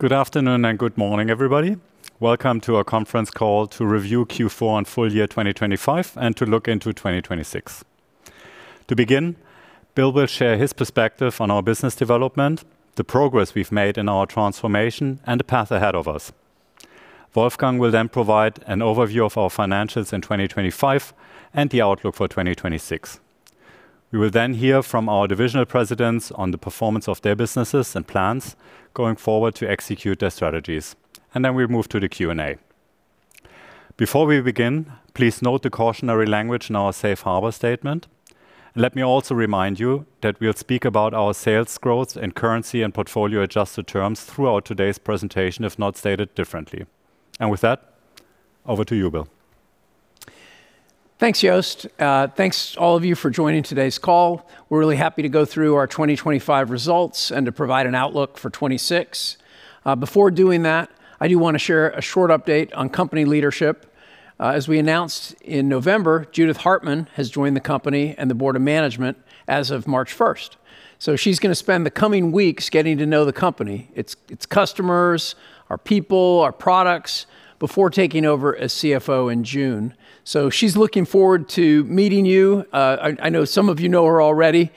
Good afternoon and good morning, everybody. Welcome to our conference call to review Q4 and full year 2025, and to look into 2026. To begin, Bill will share his perspective on our business development, the progress we've made in our transformation, and the path ahead of us. Wolfgang will then provide an overview of our financials in 2025 and the outlook for 2026. We will then hear from our divisional presidents on the performance of their businesses and plans going forward to execute their strategies. We'll move to the Q&A. Before we begin, please note the cautionary language in our Safe Harbor statement. Let me also remind you that we'll speak about our sales growth in currency and portfolio-adjusted terms throughout today's presentation, if not stated differently. With that, over to you, Bill. Thanks, Jost. Thanks all of you for joining today's call. We're really happy to go through our 2025 results and to provide an outlook for 2026. Before doing that, I do wanna share a short update on company leadership. As we announced in November, Judith Hartmann has joined the company and the board of management as of March first. She's gonna spend the coming weeks getting to know the company, its customers, our people, our products, before taking over as CFO in June. She's looking forward to meeting you. I know some of you know her already,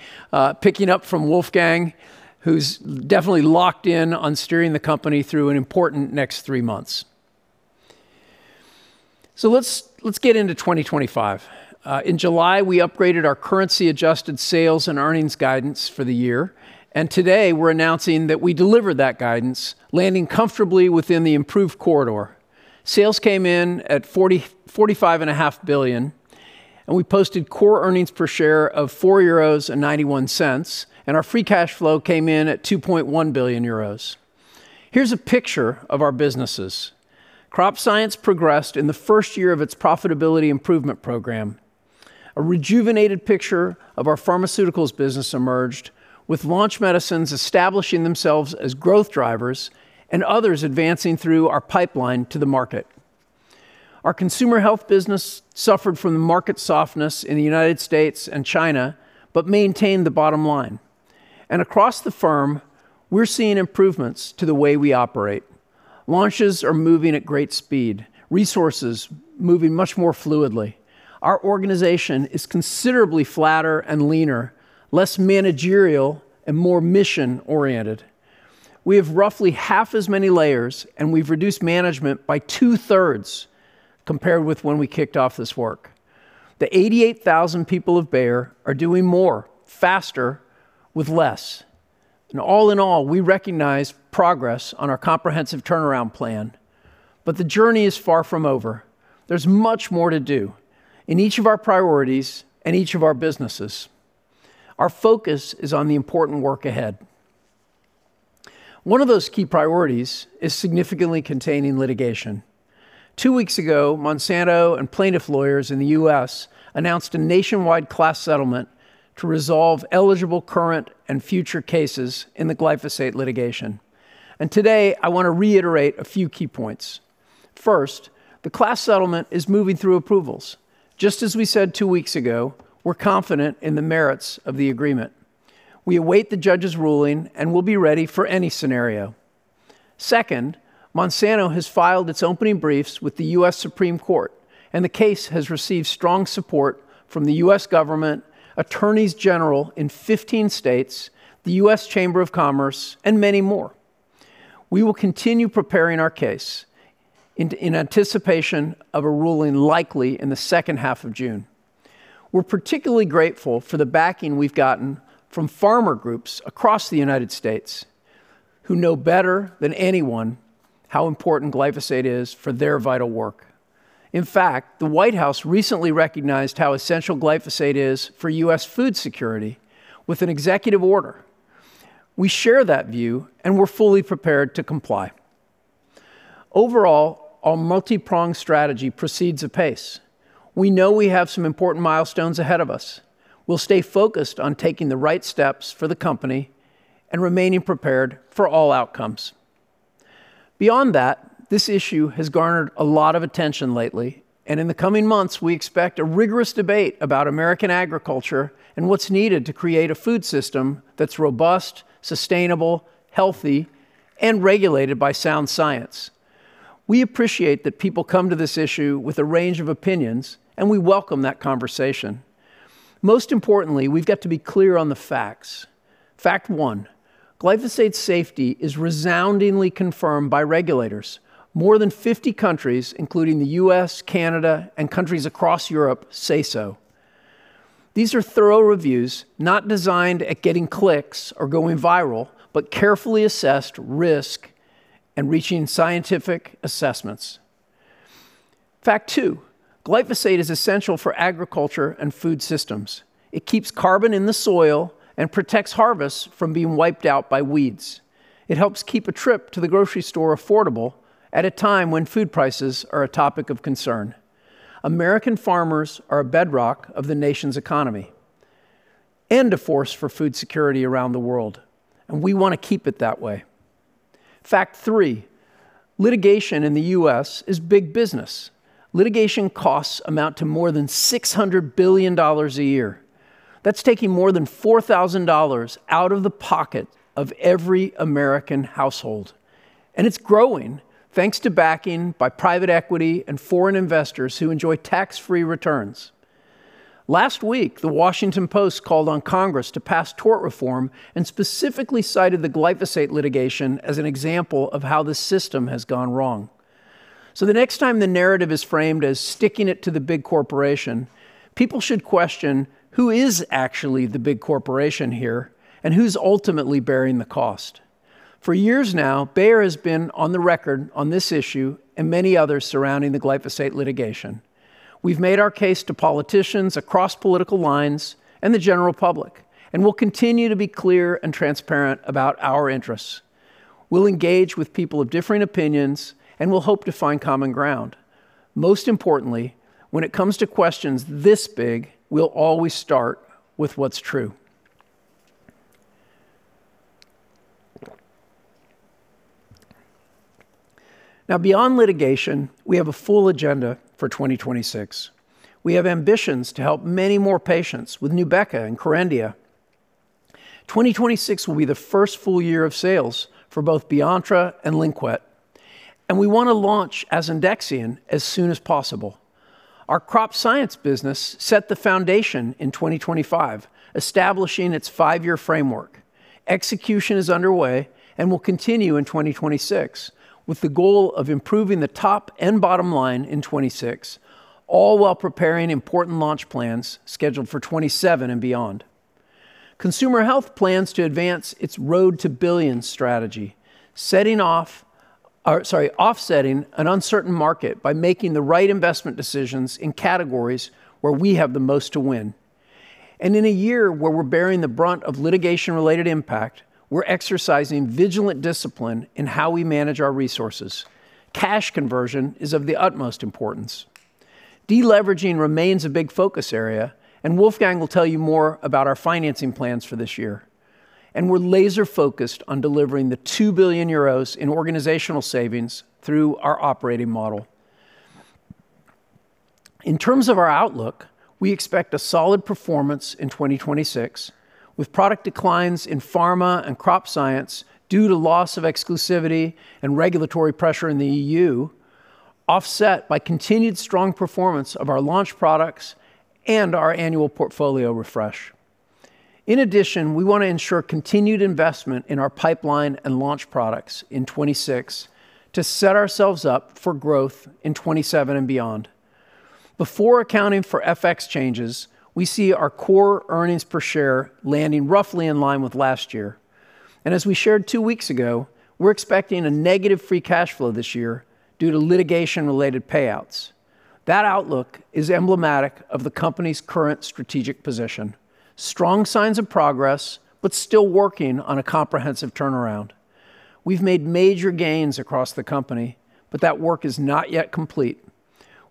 picking up from Wolfgang, who's definitely locked in on steering the company through an important next three months. Let's get into 2025. In July, we upgraded our currency adjusted sales and earnings guidance for the year, and today we're announcing that we delivered that guidance, landing comfortably within the improved corridor. Sales came in at 45.5 billion, and we posted core earnings per share of 4.91 euros, and our free cash flow came in at 2.1 billion euros. Here's a picture of our businesses. Crop Science progressed in the first year of its profitability improvement program. A rejuvenated picture of our Pharmaceuticals business emerged, with launch medicines establishing themselves as growth drivers and others advancing through our pipeline to the market. Our Consumer Health business suffered from the market softness in the United States and China, but maintained the bottom line. Across the firm, we're seeing improvements to the way we operate. Launches are moving at great speed, resources moving much more fluidly. Our organization is considerably flatter and leaner, less managerial and more mission-oriented. We have roughly half as many layers, and we've reduced management by two-thirds compared with when we kicked off this work. The 88,000 people of Bayer are doing more, faster, with less. All in all, we recognize progress on our comprehensive turnaround plan, but the journey is far from over. There's much more to do in each of our priorities and each of our businesses. Our focus is on the important work ahead. One of those key priorities is significantly containing litigation. Two weeks ago, Monsanto and plaintiff lawyers in the U.S. announced a nationwide class settlement to resolve eligible current and future cases in the glyphosate litigation. Today, I wanna reiterate a few key points. First, the class settlement is moving through approvals. Just as we said 2 weeks ago, we're confident in the merits of the agreement. We await the judge's ruling, and we'll be ready for any scenario. Second, Monsanto has filed its opening briefs with the U.S. Supreme Court, and the case has received strong support from the U.S. government, attorneys general in 15 states, the U.S. Chamber of Commerce, and many more. We will continue preparing our case in anticipation of a ruling likely in the second half of June. We're particularly grateful for the backing we've gotten from farmer groups across the United States, who know better than anyone how important glyphosate is for their vital work. In fact, the White House recently recognized how essential glyphosate is for U.S. food security with an executive order. We share that view, and we're fully prepared to comply. Overall, our multi-pronged strategy proceeds apace. We know we have some important milestones ahead of us. We'll stay focused on taking the right steps for the company and remaining prepared for all outcomes. Beyond that, this issue has garnered a lot of attention lately. In the coming months, we expect a rigorous debate about American agriculture and what's needed to create a food system that's robust, sustainable, healthy, and regulated by sound science. We appreciate that people come to this issue with a range of opinions. We welcome that conversation. Most importantly, we've got to be clear on the facts. Fact 1: glyphosate safety is resoundingly confirmed by regulators. More than 50 countries, including the U.S., Canada, and countries across Europe, say so. These are thorough reviews, not designed at getting clicks or going viral, but carefully assessed risk and reaching scientific assessments. Fact 2: glyphosate is essential for agriculture and food systems. It keeps carbon in the soil and protects harvests from being wiped out by weeds. It helps keep a trip to the grocery store affordable at a time when food prices are a topic of concern. American farmers are a bedrock of the nation's economy and a force for food security around the world, and we wanna keep it that way. Fact three: Litigation in the U.S. is big business. Litigation costs amount to more than $600 billion a year. That's taking more than $4,000 out of the pocket of every American household, and it's growing thanks to backing by private equity and foreign investors who enjoy tax-free returns. Last week, The Washington Post called on Congress to pass tort reform and specifically cited the glyphosate litigation as an example of how the system has gone wrong. The next time the narrative is framed as sticking it to the big corporation, people should question who is actually the big corporation here and who's ultimately bearing the cost. For years now, Bayer has been on the record on this issue and many others surrounding the glyphosate litigation. We've made our case to politicians across political lines and the general public, and we'll continue to be clear and transparent about our interests. We'll engage with people of differing opinions, and we'll hope to find common ground. Most importantly, when it comes to questions this big, we'll always start with what's true. Beyond litigation, we have a full agenda for 2026. We have ambitions to help many more patients with Nubeqa and Corvidia. 2026 will be the first full year of sales for both Beyontra and Lynkuet. We want to launch Asundexian as soon as possible. Our Crop Science business set the foundation in 2025, establishing its Five-Year Framework. Execution is underway and will continue in 2026, with the goal of improving the top and bottom line in 26, all while preparing important launch plans scheduled for 27 and beyond. Consumer Health plans to advance its Road to Billions strategy, setting off, sorry, offsetting an uncertain market by making the right investment decisions in categories where we have the most to win. In a year where we're bearing the brunt of litigation-related impact, we're exercising vigilant discipline in how we manage our resources. Cash conversion is of the utmost importance. Deleveraging remains a big focus area. Wolfgang will tell you more about our financing plans for this year. We're laser-focused on delivering the 2 billion euros in organizational savings through our operating model. In terms of our outlook, we expect a solid performance in 2026, with product declines in Pharma and Crop Science due to loss of exclusivity and regulatory pressure in the EU, offset by continued strong performance of our launch products and our annual portfolio refresh. We want to ensure continued investment in our pipeline and launch products in 2026 to set ourselves up for growth in 2027 and beyond. Before accounting for FX changes, we see our core earnings per share landing roughly in line with last year. As we shared two weeks ago, we're expecting a negative free cash flow this year due to litigation-related payouts. That outlook is emblematic of the company's current strategic position: strong signs of progress, but still working on a comprehensive turnaround. We've made major gains across the company, that work is not yet complete.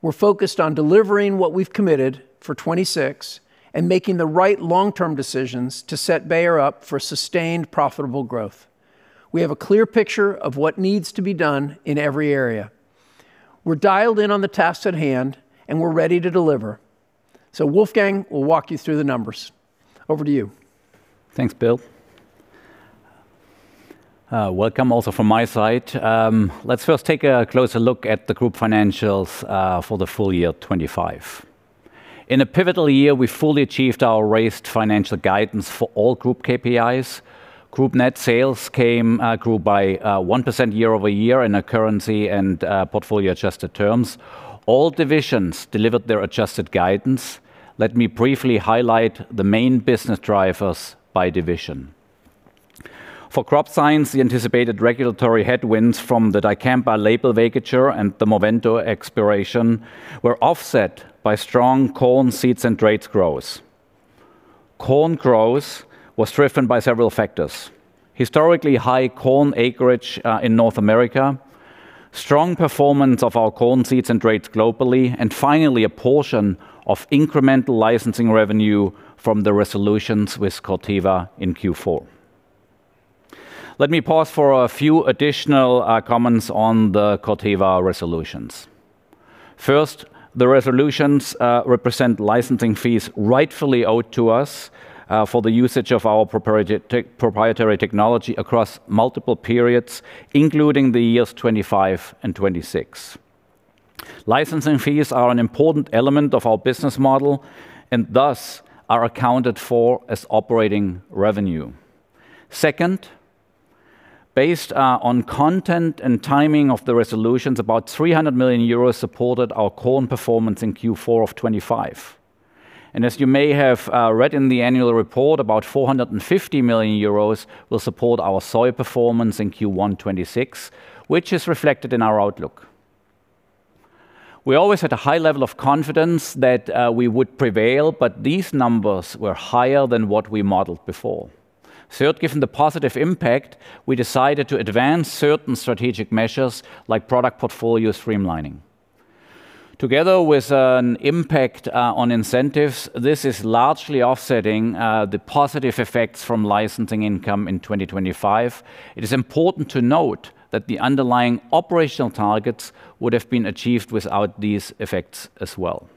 We're focused on delivering what we've committed for 2026 and making the right long-term decisions to set Bayer up for sustained, profitable growth. We have a clear picture of what needs to be done in every area. We're dialed in on the tasks at hand, and we're ready to deliver. Wolfgang will walk you through the numbers. Over to you. Thanks, Bill. Welcome also from my side. Let's first take a closer look at the group financials for the full year 25. In a pivotal year, we fully achieved our raised financial guidance for all group KPIs. Group net sales grew by 1% year-over-year in a currency and portfolio-adjusted terms. All divisions delivered their adjusted guidance. Let me briefly highlight the main business drivers by division. For Crop Science, the anticipated regulatory headwinds from the dicamba label vacatur and the Movento expiration were offset by strong corn seeds and traits growth. Corn growth was driven by several factors: historically high corn acreage in North America, strong performance of our corn seeds and traits globally, and finally, a portion of incremental licensing revenue from the resolutions with Corteva in Q4. Let me pause for a few additional comments on the Corteva resolutions. First, the resolutions represent licensing fees rightfully owed to us for the usage of our proprietary technology across multiple periods, including the years 2025 and 2026. Licensing fees are an important element of our business model and thus are accounted for as operating revenue. Second, based on content and timing of the resolutions, about 300 million euros supported our corn performance in Q4 of 2025. As you may have read in the annual report, about 450 million euros will support our soy performance in Q1 2026, which is reflected in our outlook. We always had a high level of confidence that we would prevail, but these numbers were higher than what we modeled before. Third, given the positive impact, we decided to advance certain strategic measures like product portfolio streamlining. Together with an impact on incentives, this is largely offsetting the positive effects from licensing income in 2025. It is important to note that the underlying operational targets would have been achieved without these effects as well.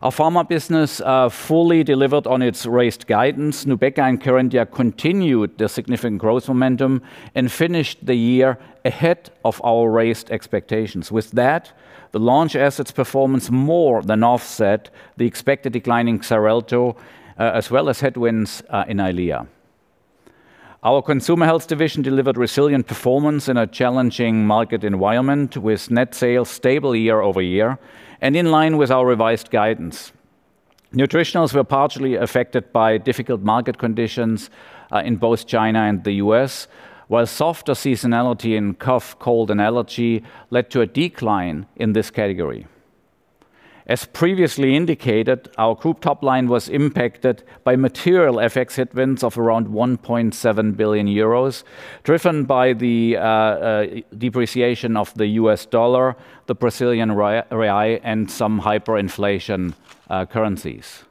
Our Pharma business fully delivered on its raised guidance. Nubeqa and Kerendia continued their significant growth momentum and finished the year ahead of our raised expectations. With that, the launch assets performance more than offset the expected decline in Xarelto as well as headwinds in EYLEA. Our Consumer Health division delivered resilient performance in a challenging market environment, with net sales stable year-over-year and in line with our revised guidance. Nutritionals were partially affected by difficult market conditions in both China and the U.S., while softer seasonality in cough, cold, and allergy led to a decline in this category. As previously indicated, our group top line was impacted by material FX headwinds of around 1.7 billion euros, driven by the depreciation of the US dollar, the Brazilian real, and some hyperinflation currencies.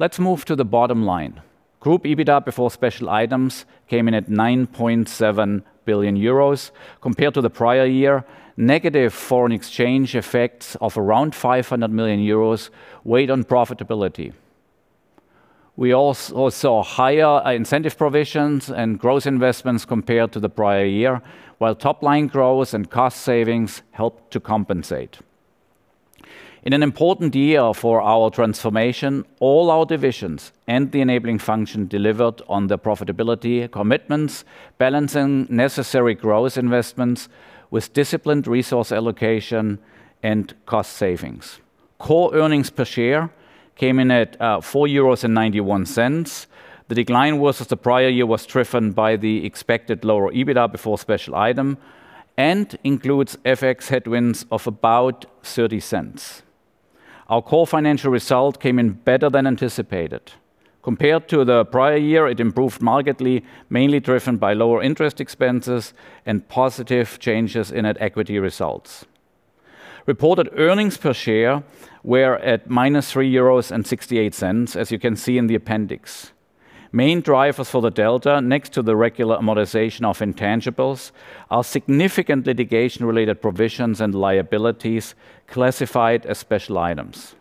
Let's move to the bottom line. Group EBITA before special items came in at 9.7 billion euros. Compared to the prior year, negative foreign exchange effects of around 500 million euros weighed on profitability. We also higher incentive provisions and growth investments compared to the prior year, while top line growth and cost savings helped to compensate. In an important year for our transformation, all our divisions and the enabling function delivered on the profitability commitments, balancing necessary growth investments with disciplined resource allocation and cost savings. Core earnings per share came in at 4.91 euros. The decline versus the prior year was driven by the expected lower EBITA before special item and includes FX headwinds of about 0.30. Our core financial result came in better than anticipated. Compared to the prior year, it improved markedly, mainly driven by lower interest expenses and positive changes in net equity results. Reported earnings per share were at minus 3.68 euros, as you can see in the appendix. Main drivers for the delta, next to the regular amortization of intangibles, are significant litigation-related provisions and liabilities classified as special items.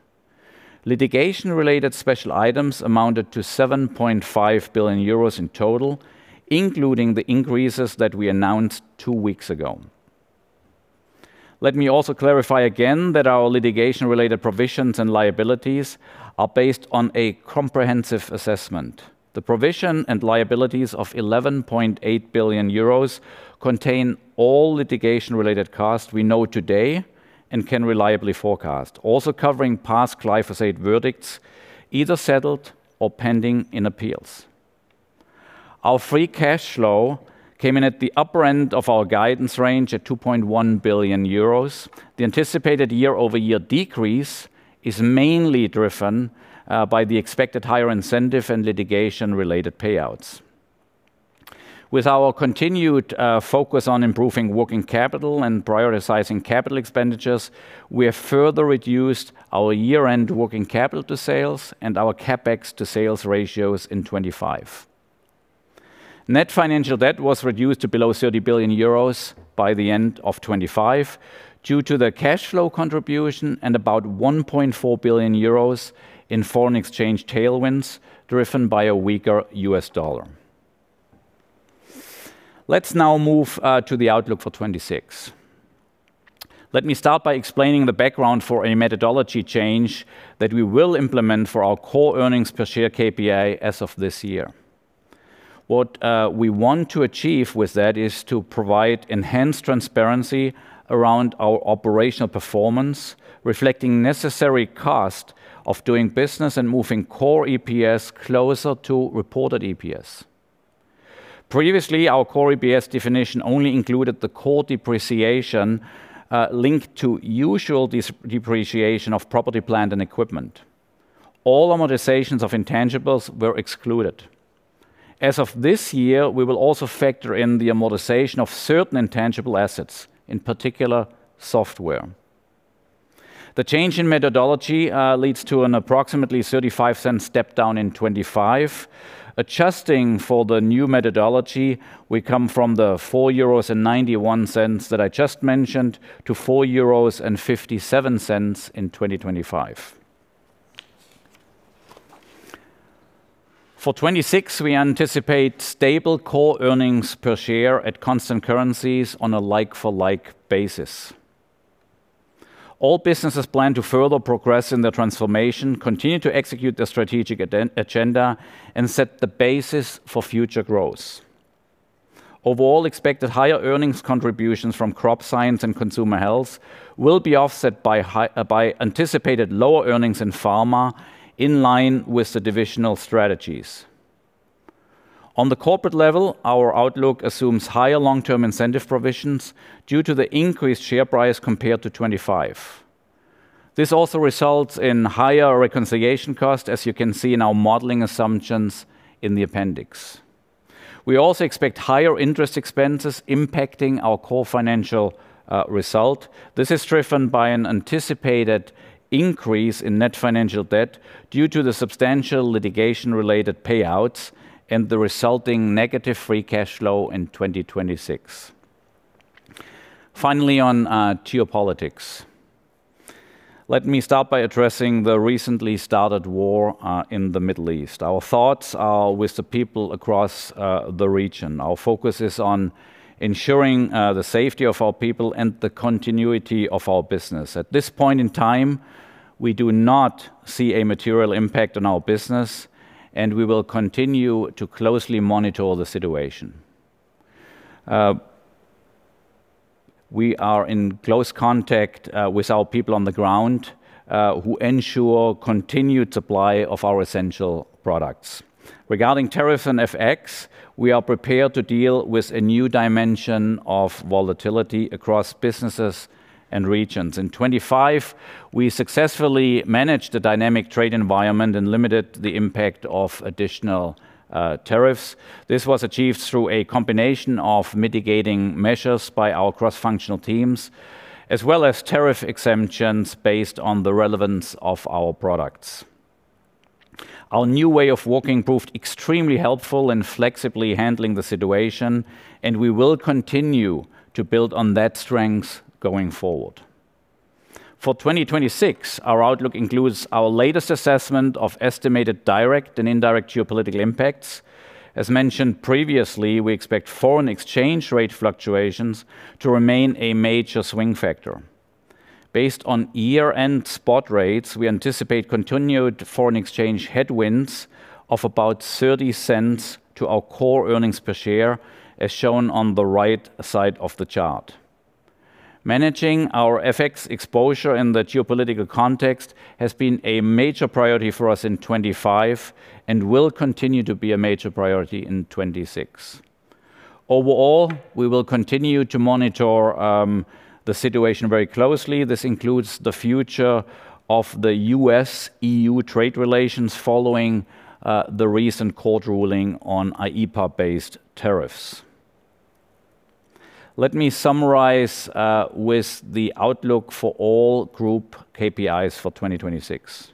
Litigation-related special items amounted to 7.5 billion euros in total, including the increases that we announced two weeks ago. Let me also clarify again that our litigation-related provisions and liabilities are based on a comprehensive assessment. The provision and liabilities of 11.8 billion euros contain all litigation-related costs we know today and can reliably forecast, also covering past glyphosate verdicts, either settled or pending in appeals. Our free cash flow came in at the upper end of our guidance range at 2.1 billion euros. The anticipated year-over-year decrease is mainly driven by the expected higher incentive and litigation-related payouts. With our continued focus on improving working capital and prioritizing capital expenditures, we have further reduced our year-end working capital to sales and our CapEx to sales ratios in 2025. Net financial debt was reduced to below 30 billion euros by the end of 2025 due to the cash flow contribution and about 1.4 billion euros in foreign exchange tailwinds driven by a weaker US dollar. Let's now move to the outlook for 2026. Let me start by explaining the background for a methodology change that we will implement for our core EPS KPI as of this year. What we want to achieve with that is to provide enhanced transparency around our operational performance, reflecting necessary cost of doing business and moving core EPS closer to reported EPS. Previously, our core EPS definition only included the core depreciation linked to usual depreciation of property, plant, and equipment. All amortizations of intangibles were excluded. As of this year, we will also factor in the amortization of certain intangible assets, in particular software. The change in methodology leads to an approximately 0.35 step down in 2025. Adjusting for the new methodology, we come from the 4.91 euros that I just mentioned to 4.57 euros in 2025. For 2026, we anticipate stable core EPS at constant currencies on a like for like basis. All businesses plan to further progress in their transformation, continue to execute their strategic agenda, and set the basis for future growth. Overall expected higher earnings contributions from Crop Science and Consumer Health will be offset by anticipated lower earnings in Pharma in line with the divisional strategies. On the corporate level, our outlook assumes higher long-term incentive provisions due to the increased share price compared to 2025. This also results in higher reconciliation cost, as you can see in our modeling assumptions in the appendix. We also expect higher interest expenses impacting our core financial result. This is driven by an anticipated increase in net financial debt due to the substantial litigation-related payouts and the resulting negative free cash flow in 2026. On geopolitics. Let me start by addressing the recently started war in the Middle East. Our thoughts are with the people across the region. Our focus is on ensuring the safety of our people and the continuity of our business. At this point in time, we do not see a material impact on our business, and we will continue to closely monitor the situation. We are in close contact with our people on the ground who ensure continued supply of our essential products. Regarding tariff and FX, we are prepared to deal with a new dimension of volatility across businesses and regions. In 2025, we successfully managed the dynamic trade environment and limited the impact of additional tariffs. This was achieved through a combination of mitigating measures by our cross-functional teams, as well as tariff exemptions based on the relevance of our products. Our new way of working proved extremely helpful in flexibly handling the situation, and we will continue to build on that strength going forward. For 2026, our outlook includes our latest assessment of estimated direct and indirect geopolitical impacts. As mentioned previously, we expect foreign exchange rate fluctuations to remain a major swing factor. Based on year-end spot rates, we anticipate continued foreign exchange headwinds of about $0.30 to our core earnings per share, as shown on the right side of the chart. Managing our FX exposure in the geopolitical context has been a major priority for us in 2025 and will continue to be a major priority in 2026. Overall, we will continue to monitor the situation very closely. This includes the future of the US-EU trade relations following the recent court ruling on IEEPA-based tariffs. Let me summarize with the outlook for all group KPIs for 2026.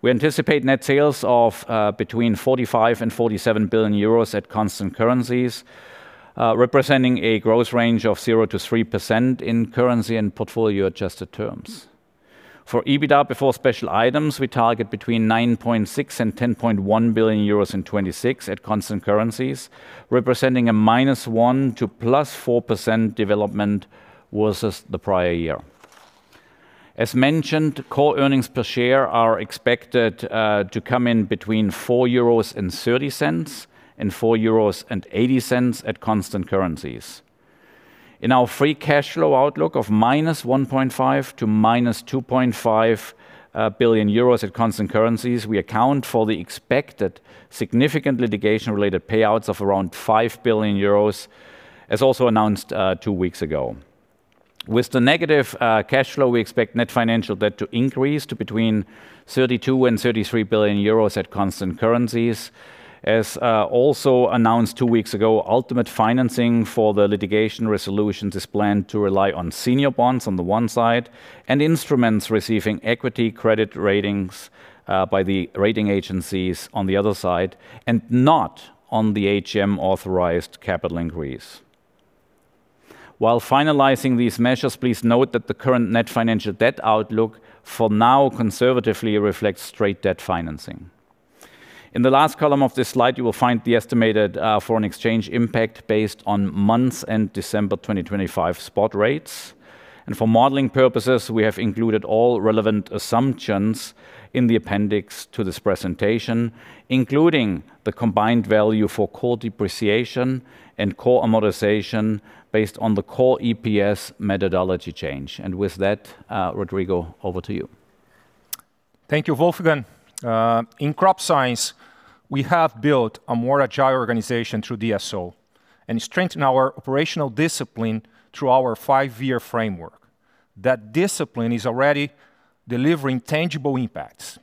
We anticipate net sales of between 45 billion and 47 billion euros at constant currencies, representing a growth range of 0-3% in currency and portfolio-adjusted terms. For EBITA before special items, we target between 9.6 billion and 10.1 billion euros in 2026 at constant currencies, representing a -1% to +4% development versus the prior year. As mentioned, core earnings per share are expected to come in between 4.30 euros and 4.80 euros at constant currencies. In our free cash flow outlook of -1.5 billion to -2.5 billion euros at constant currencies, we account for the expected significant litigation-related payouts of around 5 billion euros, as also announced two weeks ago. With the negative cash flow, we expect net financial debt to increase to between 32 billion and 33 billion euros at constant currencies. As also announced two weeks ago, ultimate financing for the litigation resolutions is planned to rely on senior bonds on the one side and instruments receiving equity credit ratings by the rating agencies on the other side, and not on the AGM-authorized capital increase. While finalizing these measures, please note that the current net financial debt outlook for now conservatively reflects straight debt financing. In the last column of this slide, you will find the estimated foreign exchange impact based on months and December 2025 spot rates. For modeling purposes, we have included all relevant assumptions in the appendix to this presentation, including the combined value for core depreciation and core amortization based on the core EPS methodology change. With that, Rodrigo, over to you. Thank you, Wolfgang. In Crop Science, we have built a more agile organization through DSO and strengthened our operational discipline through our Five-Year Framework. That discipline is already delivering tangible impacts.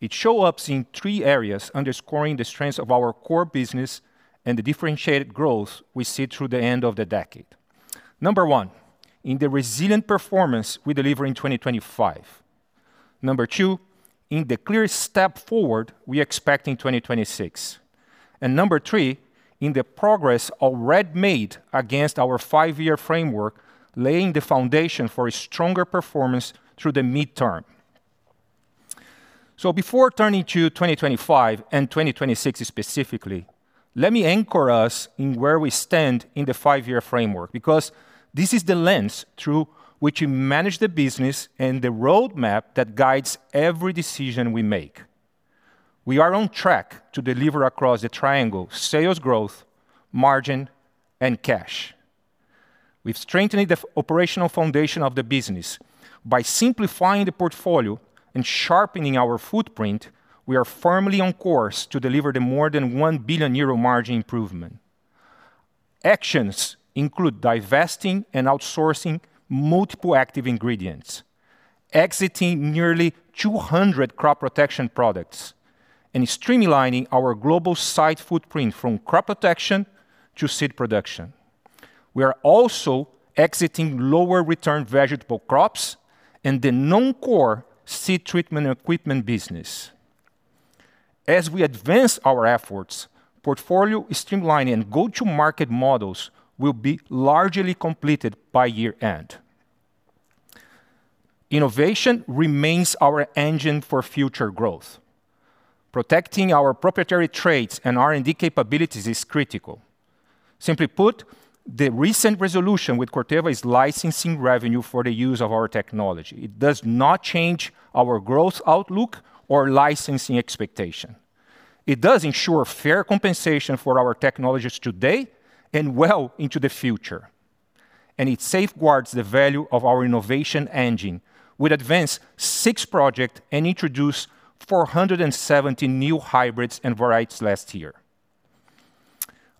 It show ups in three areas underscoring the strengths of our core business and the differentiated growth we see through the end of the decade. Number one, in the resilient performance we deliver in 2025. Number two, in the clear step forward we expect in 2026. Number three, in the progress already made against our Five-Year Framework, laying the foundation for a stronger performance through the midterm. Before turning to 2025 and 2026 specifically, let me anchor us in where we stand in the Five-Year Framework, because this is the lens through which we manage the business and the roadmap that guides every decision we make. We are on track to deliver across the triangle sales growth, margin, and cash. We've strengthened the operational foundation of the business. By simplifying the portfolio and sharpening our footprint, we are firmly on course to deliver the more than 1 billion euro margin improvement. Actions include divesting and outsourcing multiple active ingredients, exiting nearly 200 crop protection products, and streamlining our global site footprint from crop protection to seed production. We are also exiting lower return vegetable crops and the non-core seed treatment equipment business. As we advance our efforts, portfolio streamlining and go-to-market models will be largely completed by year-end. Innovation remains our engine for future growth. Protecting our proprietary traits and R&D capabilities is critical. Simply put, the recent resolution with Corteva is licensing revenue for the use of our technology. It does not change our growth outlook or licensing expectation. It does ensure fair compensation for our technologies today and well into the future, and it safeguards the value of our innovation engine. We'd advance 6 project and introduce 470 new hybrids and varieties last year.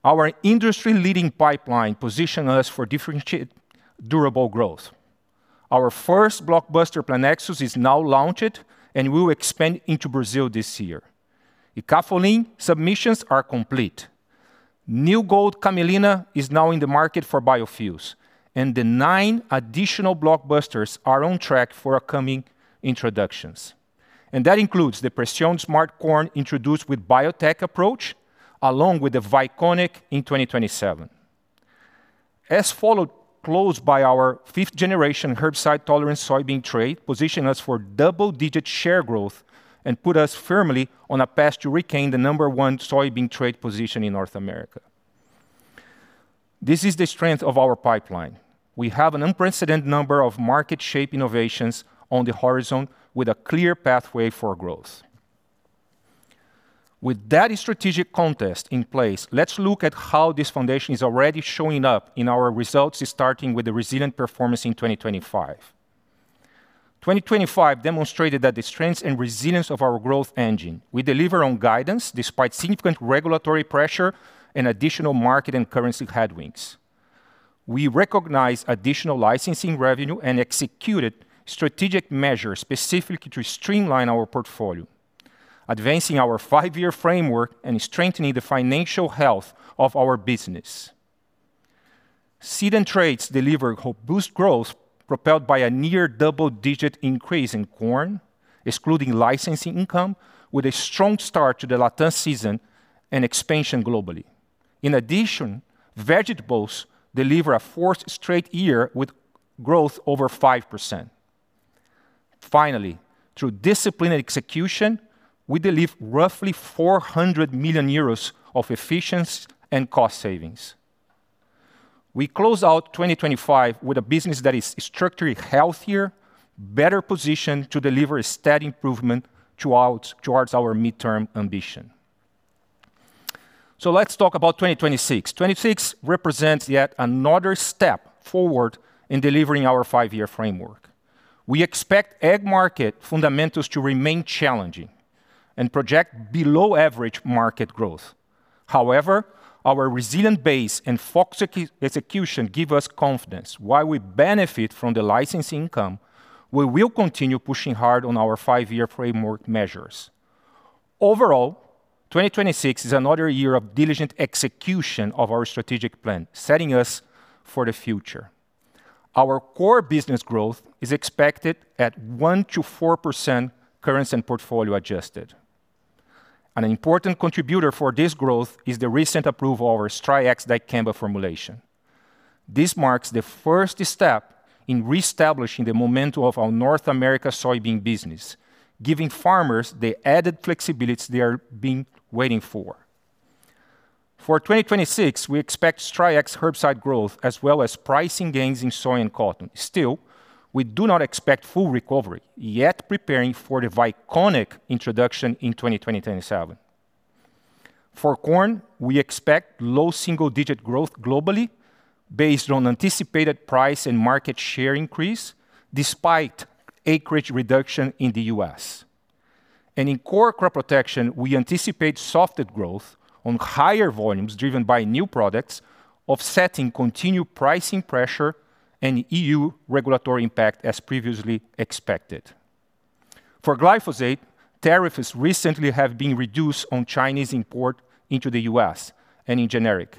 Our industry-leading pipeline position us for differentiate durable growth. Our first blockbuster Plenexos is now launched and will expand into Brazil this year. Icafolin submissions are complete. New-Gold Camelina is now in the market for biofuels, and the 9 additional blockbusters are on track for upcoming introductions. That includes the Preceon Smart Corn introduced with biotech approach, along with the Vyconic in 2027. Followed close by our 5th generation herbicide-tolerant soybean trait, position us for double-digit share growth and put us firmly on a path to reclaim the number 1 soybean trait position in North America. This is the strength of our pipeline. We have an unprecedented number of market-shape innovations on the horizon with a clear pathway for growth. With that strategic context in place, let's look at how this foundation is already showing up in our results, starting with the resilient performance in 2025. 2025 demonstrated that the strengths and resilience of our growth engine. We deliver on guidance despite significant regulatory pressure and additional market and currency headwinds. We recognize additional licensing revenue and executed strategic measures specifically to streamline our portfolio, advancing our Five-Year Framework and strengthening the financial health of our business. Seed and traits deliver robust growth propelled by a near double-digit increase in corn, excluding licensing income, with a strong start to the Latin season and expansion globally. Vegetables deliver a fourth straight year with growth over 5%. Finally, through disciplined execution, we deliver roughly 400 million euros of efficiency and cost savings. We close out 2025 with a business that is structurally healthier, better positioned to deliver a steady improvement throughout towards our midterm ambition. Let's talk about 2026. 2026 represents yet another step forward in delivering our Five-Year Framework. We expect ag market fundamentals to remain challenging and project below-average market growth. However, our resilient base and focused execution give us confidence while we benefit from the licensing income, we will continue pushing hard on our Five-Year Framework measures. Overall, 2026 is another year of diligent execution of our strategic plan, setting us for the future. Our core business growth is expected at 1%-4% currency and portfolio adjusted. An important contributor for this growth is the recent approval of our Stryax dicamba formulation. This marks the first step in reestablishing the momentum of our North America soybean business, giving farmers the added flexibility they are been waiting for. 2026, we expect Stryax herbicide growth as well as pricing gains in soy and cotton. Still, we do not expect full recovery, yet preparing for the Viconic introduction in 2027. Corn, we expect low single-digit growth globally based on anticipated price and market share increase despite acreage reduction in the U.S. In core crop protection, we anticipate softer growth on higher volumes driven by new products, offsetting continued pricing pressure and EU regulatory impact as previously expected. Glyphosate, tariffs recently have been reduced on Chinese import into the U.S. and in generic.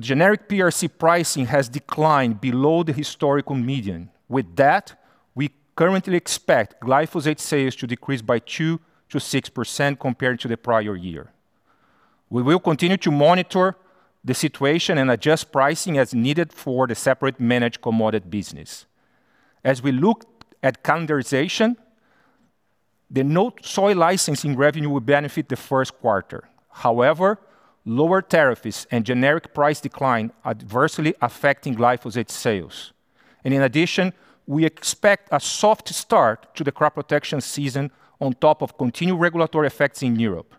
Generic PRC pricing has declined below the historical median. With that, we currently expect glyphosate sales to decrease by 2%-6% compared to the prior year. We will continue to monitor the situation and adjust pricing as needed for the separate managed commodity business. As we look at calendarization, the no soy licensing revenue will benefit the first quarter. Lower tariffs and generic price decline adversely affecting glyphosate sales. In addition, we expect a soft start to the crop protection season on top of continued regulatory effects in Europe.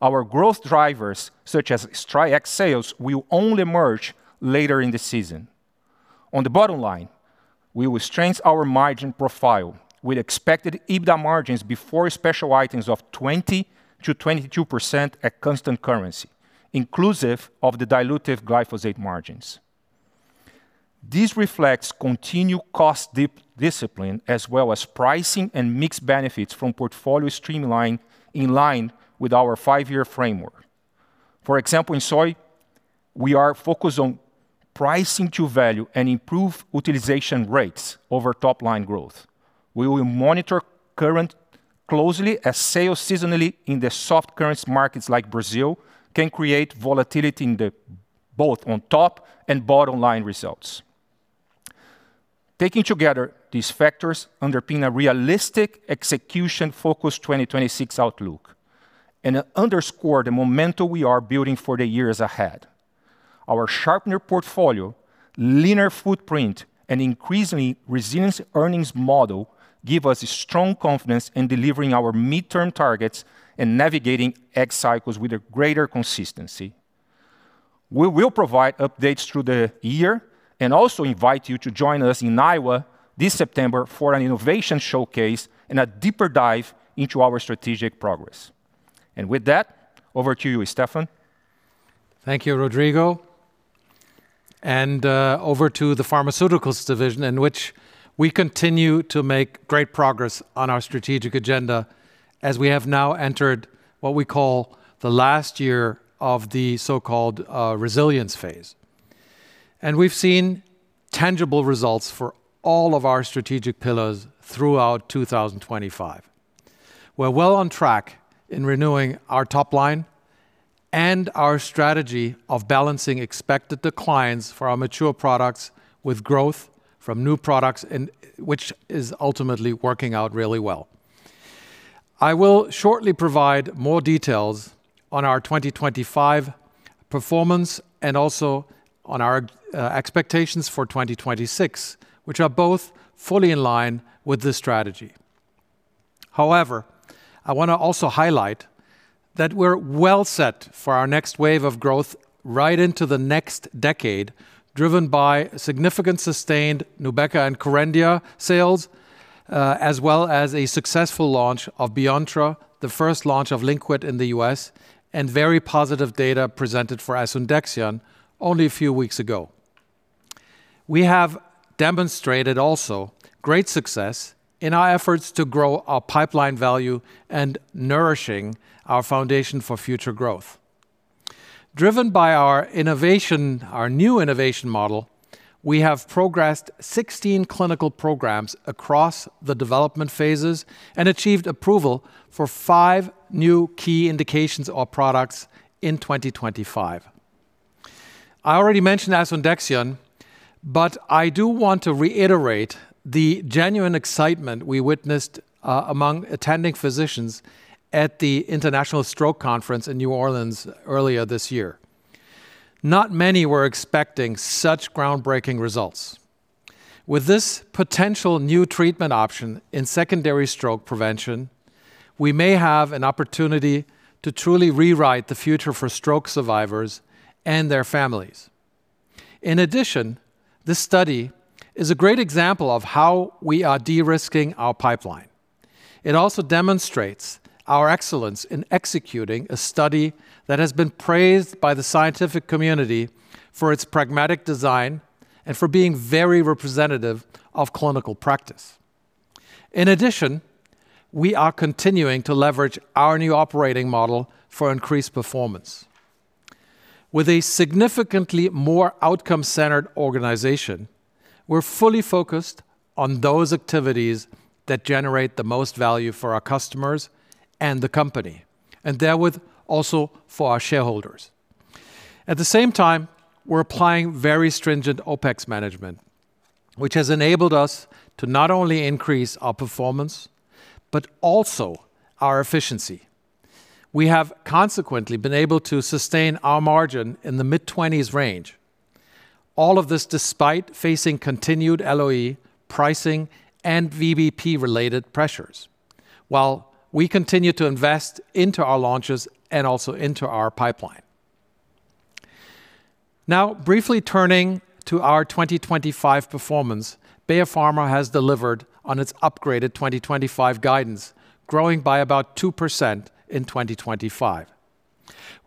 Our growth drivers, such as Stryax sales, will only emerge later in the season. On the bottom line, we will strengthen our margin profile with expected EBITDA margins before special items of 20%-22% at constant currency, inclusive of the dilutive glyphosate margins. This reflects continued cost dis-discipline, as well as pricing and mixed benefits from portfolio streamline in line with our Five-Year Framework. For example, in Soy, we are focused on pricing to value and improve utilization rates over top line growth. We will monitor current closely as sales seasonally in the soft currency markets like Brazil can create volatility in the both on top and bottom line results. Taking together these factors underpin a realistic execution focused 2026 outlook and underscore the momentum we are building for the years ahead. Our sharpener portfolio, linear footprint, and increasingly resilient earnings model give us strong confidence in delivering our midterm targets and navigating ag cycles with a greater consistency. We will provide updates through the year and also invite you to join us in Iowa this September for an innovation showcase and a deeper dive into our strategic progress. With that, over to you, Stefan. Thank you, Rodrigo. Over to the pharmaceuticals division in which we continue to make great progress on our strategic agenda as we have now entered what we call the last year of the so-called resilience phase. We've seen tangible results for all of our strategic pillars throughout 2025. We're well on track in renewing our top line and our strategy of balancing expected declines for our mature products with growth from new products and which is ultimately working out really well. I will shortly provide more details on our 2025 performance and also on our expectations for 2026, which are both fully in line with this strategy. However, I wanna also highlight that we're well set for our next wave of growth right into the next decade, driven by significant sustained Nubeqa and Kerendia sales, as well as a successful launch of Beyontra, the first launch of Lynkuet in the U.S., and very positive data presented for Asundexian only a few weeks ago. We have demonstrated also great success in our efforts to grow our pipeline value and nourishing our foundation for future growth. Driven by our innovation, our new innovation model, we have progressed 16 clinical programs across the development phases and achieved approval for five new key indications or products in 2025. I already mentioned Asundexian, but I do want to reiterate the genuine excitement we witnessed among attending physicians at the International Stroke Conference in New Orleans earlier this year. Not many were expecting such groundbreaking results. With this potential new treatment option in secondary stroke prevention, we may have an opportunity to truly rewrite the future for stroke survivors and their families. This study is a great example of how we are de-risking our pipeline. It also demonstrates our excellence in executing a study that has been praised by the scientific community for its pragmatic design and for being very representative of clinical practice. We are continuing to leverage our new operating model for increased performance. With a significantly more outcome-centered organization, we're fully focused on those activities that generate the most value for our customers and the company, and therewith also for our shareholders. At the same time, we're applying very stringent OpEx management, which has enabled us to not only increase our performance, but also our efficiency. We have consequently been able to sustain our margin in the mid-twenties range. All of this despite facing continued LOE, pricing, and VBP related pressures while we continue to invest into our launches and also into our pipeline. Briefly turning to our 2025 performance, Bayer Pharma has delivered on its upgraded 2025 guidance, growing by about 2% in 2025.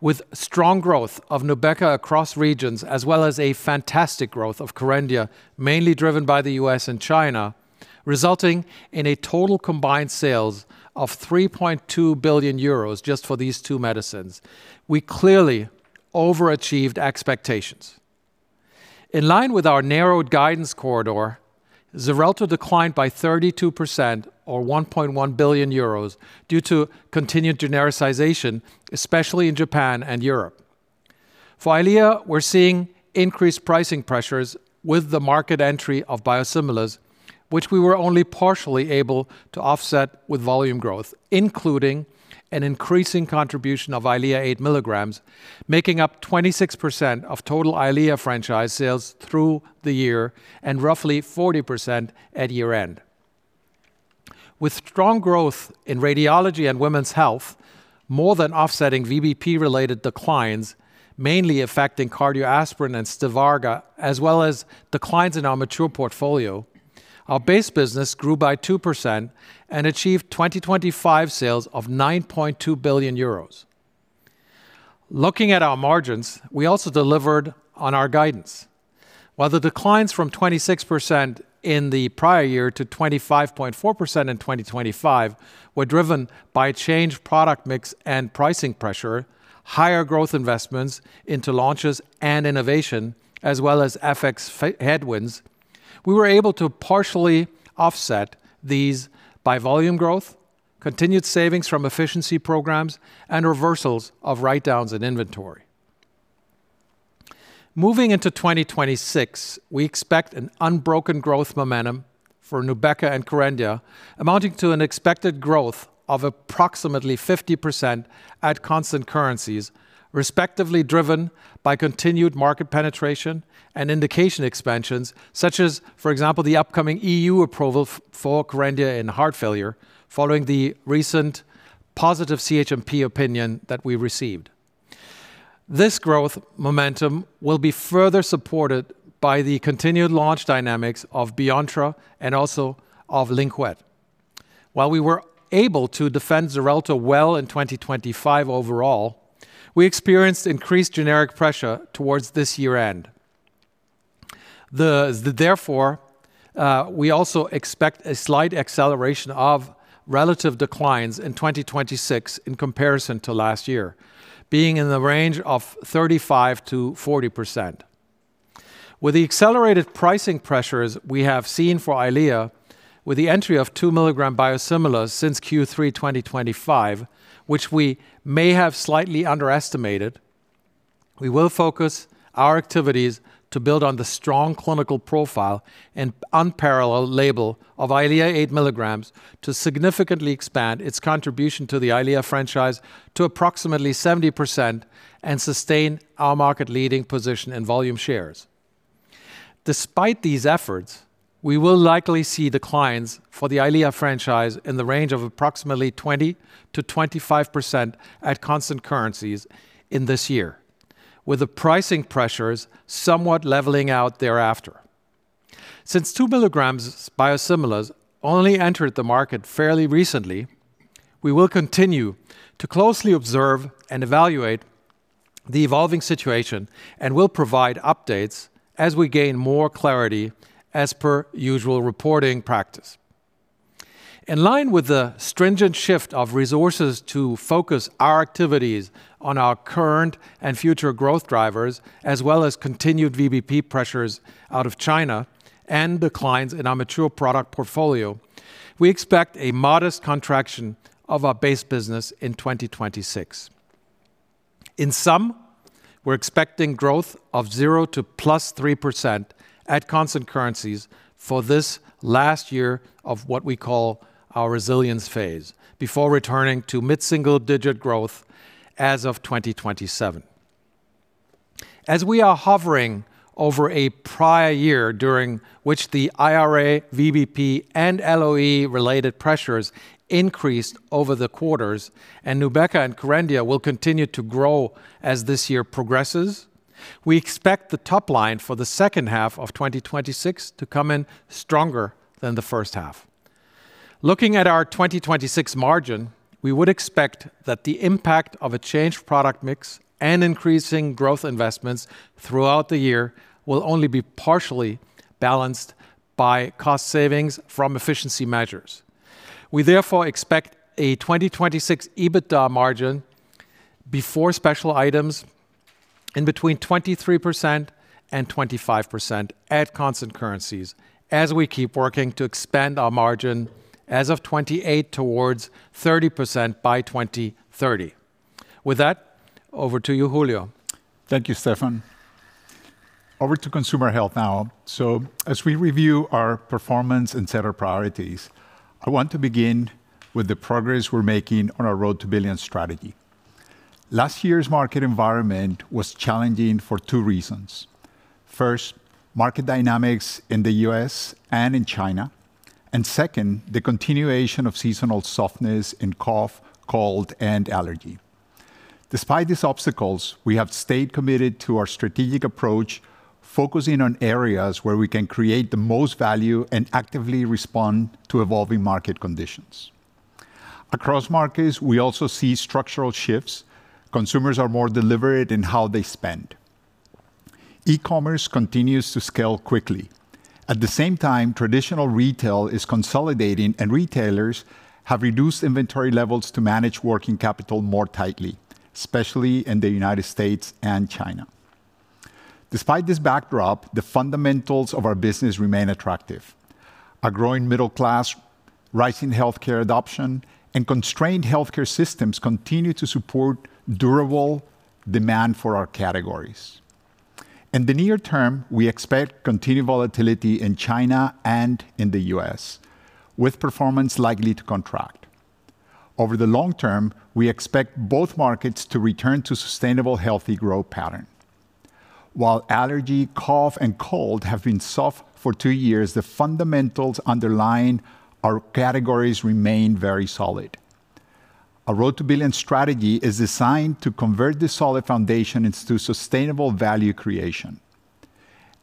With strong growth of Nubeqa across regions as well as a fantastic growth of Kerendia, mainly driven by the U.S. and China, resulting in a total combined sales of 3.2 billion euros just for these two medicines. We clearly overachieved expectations. In line with our narrowed guidance corridor, Xarelto declined by 32% or 1.1 billion euros due to continued genericization, especially in Japan and Europe. For EYLEA, we're seeing increased pricing pressures with the market entry of biosimilars, which we were only partially able to offset with volume growth, including an increasing contribution of EYLEA 8 milligrams, making up 26% of total EYLEA franchise sales through the year and roughly 40% at year-end. With strong growth in radiology and women's health more than offsetting VBP-related declines mainly affecting Cardio Aspirin and Stivarga, as well as declines in our mature portfolio, our base business grew by 2% and achieved 2025 sales of 9.2 billion euros. Looking at our margins, we also delivered on our guidance. While the declines from 26% in the prior year to 25.4% in 2025 were driven by changed product mix and pricing pressure, higher growth investments into launches and innovation, as well as FX headwinds, we were able to partially offset these by volume growth, continued savings from efficiency programs, and reversals of write-downs in inventory. Moving into 2026, we expect an unbroken growth momentum for Nubeqa and Kerendia amounting to an expected growth of approximately 50% at constant currencies, respectively driven by continued market penetration and indication expansions, such as for example the upcoming EU approval for Kerendia in heart failure following the recent positive CHMP opinion that we received. This growth momentum will be further supported by the continued launch dynamics of Beyontra and also of Lynkuet. While we were able to defend Xarelto well in 2025 overall, we experienced increased generic pressure towards this year-end. Therefore, we also expect a slight acceleration of relative declines in 2026 in comparison to last year, being in the range of 35%-40%. With the accelerated pricing pressures we have seen for EYLEA with the entry of 2 mg biosimilars since Q3 2025, which we may have slightly underestimated, we will focus our activities to build on the strong clinical profile and unparalleled label of EYLEA 8 mg to significantly expand its contribution to the EYLEA franchise to approximately 70% and sustain our market leading position in volume shares. Despite these efforts, we will likely see declines for the EYLEA franchise in the range of approximately 20%-25% at constant currencies in this year, with the pricing pressures somewhat leveling out thereafter. Since 2 mg biosimilars only entered the market fairly recently, we will continue to closely observe and evaluate the evolving situation and will provide updates as we gain more clarity as per usual reporting practice. In line with the stringent shift of resources to focus our activities on our current and future growth drivers, as well as continued VBP pressures out of China and declines in our mature product portfolio, we expect a modest contraction of our base business in 2026. In sum, we're expecting growth of 0% to +3% at constant currencies for this last year of what we call our resilience phase before returning to mid-single-digit growth as of 2027. We are hovering over a prior year during which the IRA, VBP, and LOE related pressures increased over the quarters and Nubeqa and Kerendia will continue to grow as this year progresses, we expect the top line for the second half of 2026 to come in stronger than the first half. Looking at our 2026 margin, we would expect that the impact of a changed product mix and increasing growth investments throughout the year will only be partially balanced by cost savings from efficiency measures. We therefore expect a 2026 EBITDA margin before special items in between 23% and 25% at constant currencies as we keep working to expand our margin as of 2028 towards 30% by 2030. With that, over to you, Julio. Thank you, Stefan. Over to Consumer Health now. As we review our performance and set our priorities, I want to begin with the progress we're making on our Road to Billions strategy. Last year's market environment was challenging for two reasons. First, market dynamics in the U.S. and in China, and second, the continuation of seasonal softness in cough, cold, and allergy. Despite these obstacles, we have stayed committed to our strategic approach, focusing on areas where we can create the most value and actively respond to evolving market conditions. Across markets, we also see structural shifts. Consumers are more deliberate in how they spend. E-commerce continues to scale quickly. At the same time, traditional retail is consolidating, and retailers have reduced inventory levels to manage working capital more tightly, especially in the United States and China. Despite this backdrop, the fundamentals of our business remain attractive. A growing middle class, rising healthcare adoption, and constrained healthcare systems continue to support durable demand for our categories. In the near term, we expect continued volatility in China and in the U.S., with performance likely to contract. Over the long term, we expect both markets to return to sustainable, healthy growth pattern. While allergy, cough, and cold have been soft for two years, the fundamentals underlying our categories remain very solid. Our Road to Billions strategy is designed to convert this solid foundation into sustainable value creation.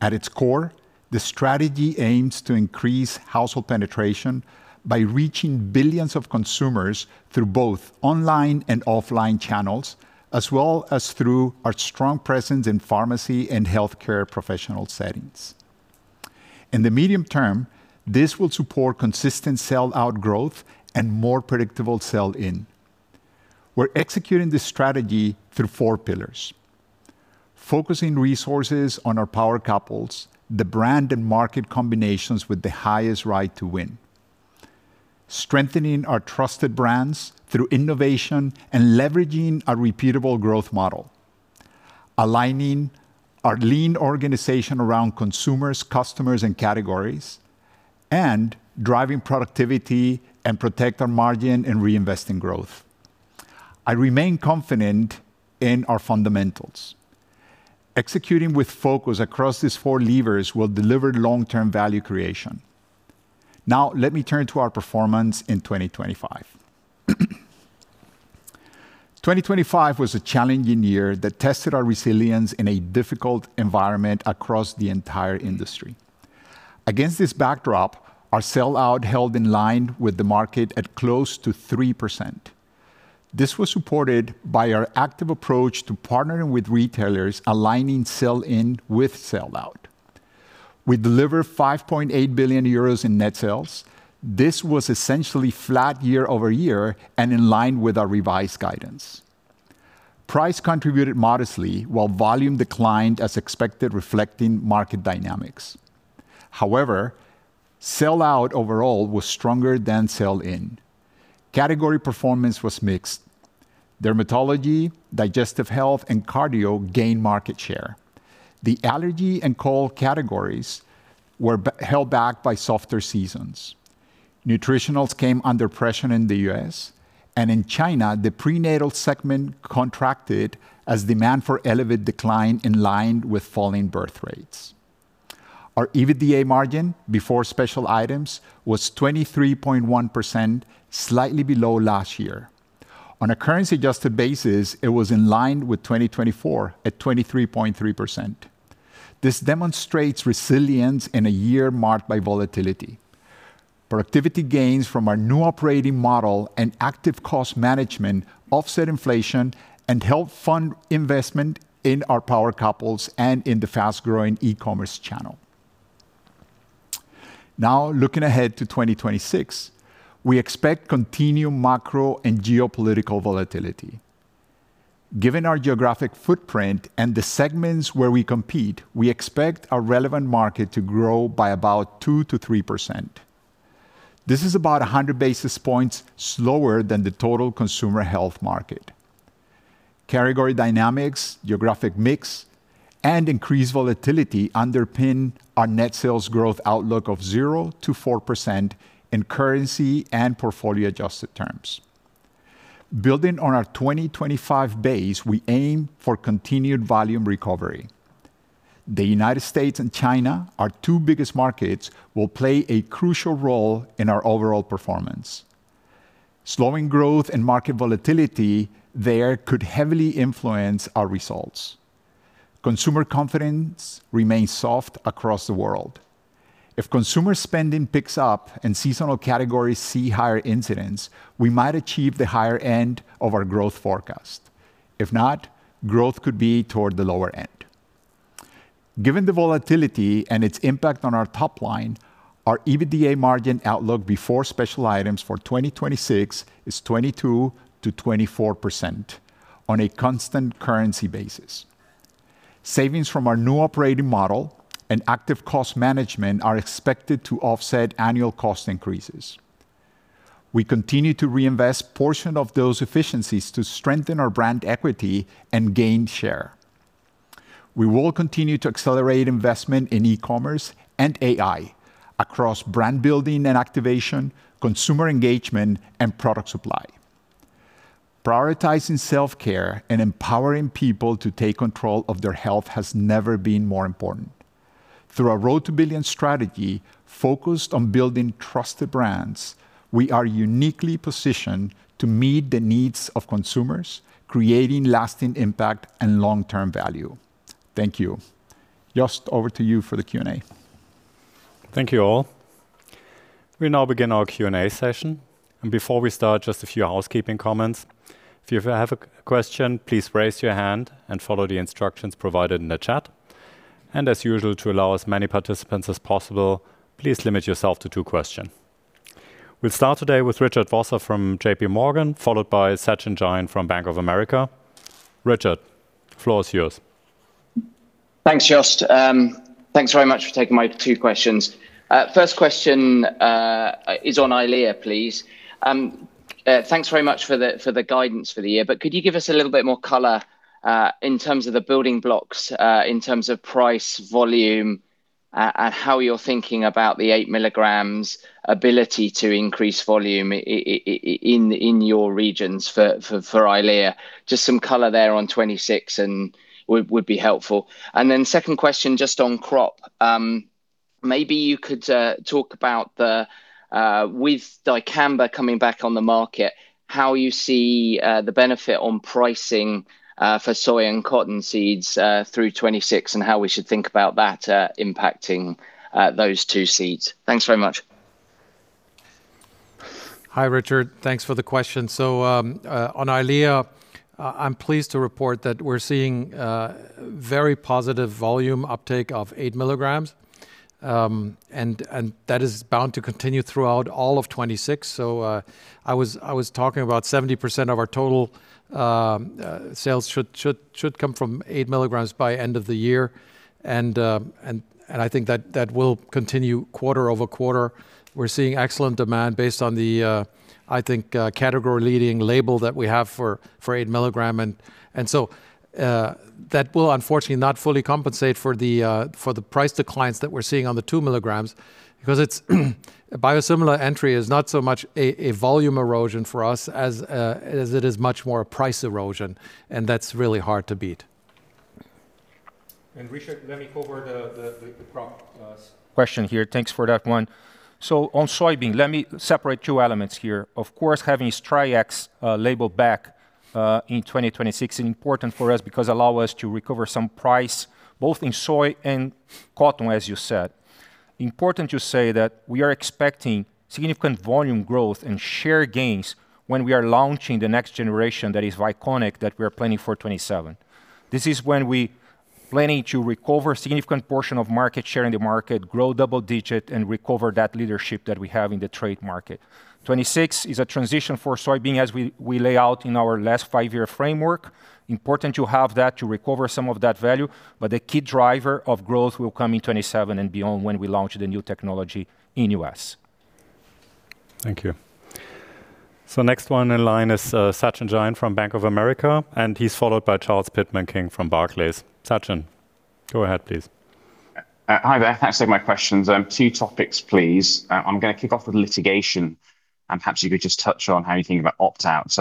At its core, the strategy aims to increase household penetration by reaching billions of consumers through both online and offline channels, as well as through our strong presence in pharmacy and healthcare professional settings. In the medium term, this will support consistent sell-out growth and more predictable sell-in. We're executing this strategy through four pillars: focusing resources on our power couples, the brand and market combinations with the highest right to win, strengthening our trusted brands through innovation and leveraging our repeatable growth model, aligning our lean organization around consumers, customers, and categories, and driving productivity and protect our margin in reinvesting growth. I remain confident in our fundamentals. Executing with focus across these four levers will deliver long-term value creation. Now, let me turn to our performance in 2025. 2025 was a challenging year that tested our resilience in a difficult environment across the entire industry. Against this backdrop, our sell out held in line with the market at close to 3%. This was supported by our active approach to partnering with retailers, aligning sell in with sell out. We delivered 5.8 billion euros in net sales. This was essentially flat year-over-year and in line with our revised guidance. Price contributed modestly while volume declined as expected, reflecting market dynamics. Sell out overall was stronger than sell in. Category performance was mixed. Dermatology, digestive health, and cardio gained market share. The allergy and cold categories were held back by softer seasons. Nutritionals came under pressure in the U.S. In China, the prenatal segment contracted as demand for Elevit declined in line with falling birth rates. Our EBITDA margin before special items was 23.1%, slightly below last year. On a currency adjusted basis, it was in line with 2024 at 23.3%. This demonstrates resilience in a year marked by volatility. Productivity gains from our new operating model and active cost management offset inflation and helped fund investment in our power couples and in the fast-growing e-commerce channel. Looking ahead to 2026, we expect continued macro and geopolitical volatility. Given our geographic footprint and the segments where we compete, we expect our relevant market to grow by about 2%-3%. This is about 100 basis points slower than the total Consumer Health market. Category dynamics, geographic mix, and increased volatility underpin our net sales growth outlook of 0%-4% in currency and portfolio adjusted terms. Building on our 2025 base, we aim for continued volume recovery. The United States and China, our two biggest markets, will play a crucial role in our overall performance. Slowing growth and market volatility there could heavily influence our results. Consumer confidence remains soft across the world. If consumer spending picks up and seasonal categories see higher incidents, we might achieve the higher end of our growth forecast. If not, growth could be toward the lower end. Given the volatility and its impact on our top line, our EBITDA margin outlook before special items for 2026 is 22%-24% on a constant currency basis. Savings from our new operating model and active cost management are expected to offset annual cost increases. We continue to reinvest portion of those efficiencies to strengthen our brand equity and gain share. We will continue to accelerate investment in e-commerce and AI across brand building and activation, consumer engagement, and product supply. Prioritizing self-care and empowering people to take control of their health has never been more important. Through our Road to Billions strategy focused on building trusted brands, we are uniquely positioned to meet the needs of consumers, creating lasting impact and long-term value. Thank you. Jost, over to you for the Q&A. Thank you all. We now begin our Q&A session. Before we start, just a few housekeeping comments. If you ever have a question, please raise your hand and follow the instructions provided in the chat. As usual, to allow as many participants as possible, please limit yourself to two question. We'll start today with Richard Vosser from J.P. Morgan, followed by Sachin Jain from Bank of America. Richard, floor is yours. Thanks, Jost. Thanks very much for taking my two questions. First question, is on EYLEA, please. Thanks very much for the guidance for the year. Could you give us a little bit more color, in terms of the building blocks, in terms of price, volume? How you're thinking about the 8 mg ability to increase volume in your regions for EYLEA. Just some color there on 2026 and would be helpful. Second question, just on crop. Maybe you could talk about the with dicamba coming back on the market, how you see the benefit on pricing for soy and cotton seeds through 2026, and how we should think about that impacting those two seeds. Thanks very much. Hi, Richard. Thanks for the question. On EYLEA, I'm pleased to report that we're seeing very positive volume uptake of 8 mg. That is bound to continue throughout all of 2026. I was talking about 70% of our total sales should come from 8 mg by end of the year. I think that will continue quarter-over-quarter. We're seeing excellent demand based on the I think category-leading label that we have for 8 mg. That will unfortunately not fully compensate for the, for the price declines that we're seeing on the 2 mg because it's a biosimilar entry is not so much a volume erosion for us as it is much more a price erosion, and that's really hard to beat. Richard, let me cover the crop question here. Thanks for that one. On soybean, let me separate 2 elements here. Of course, having Stryax label back in 2026 is important for us because allow us to recover some price both in soy and cotton, as you said. Important to say that we are expecting significant volume growth and share gains when we are launching the next generation, that is Vyconic, that we are planning for 2027. This is when we planning to recover significant portion of market share in the market, grow double digit, and recover that leadership that we have in the trade market. 2026 is a transition for soybean as we lay out in our last Five-Year Framework. Important to have that to recover some of that value, but the key driver of growth will come in 2027 and beyond when we launch the new technology in U.S. Thank you. Next one in line is Sachin Jain from Bank of America, and he's followed by Charles Pitman-King from Barclays. Sachin, go ahead, please. Hi there. Thanks for taking my questions. Two topics, please. I'm gonna kick off with litigation, and perhaps you could just touch on how you think about opt-out.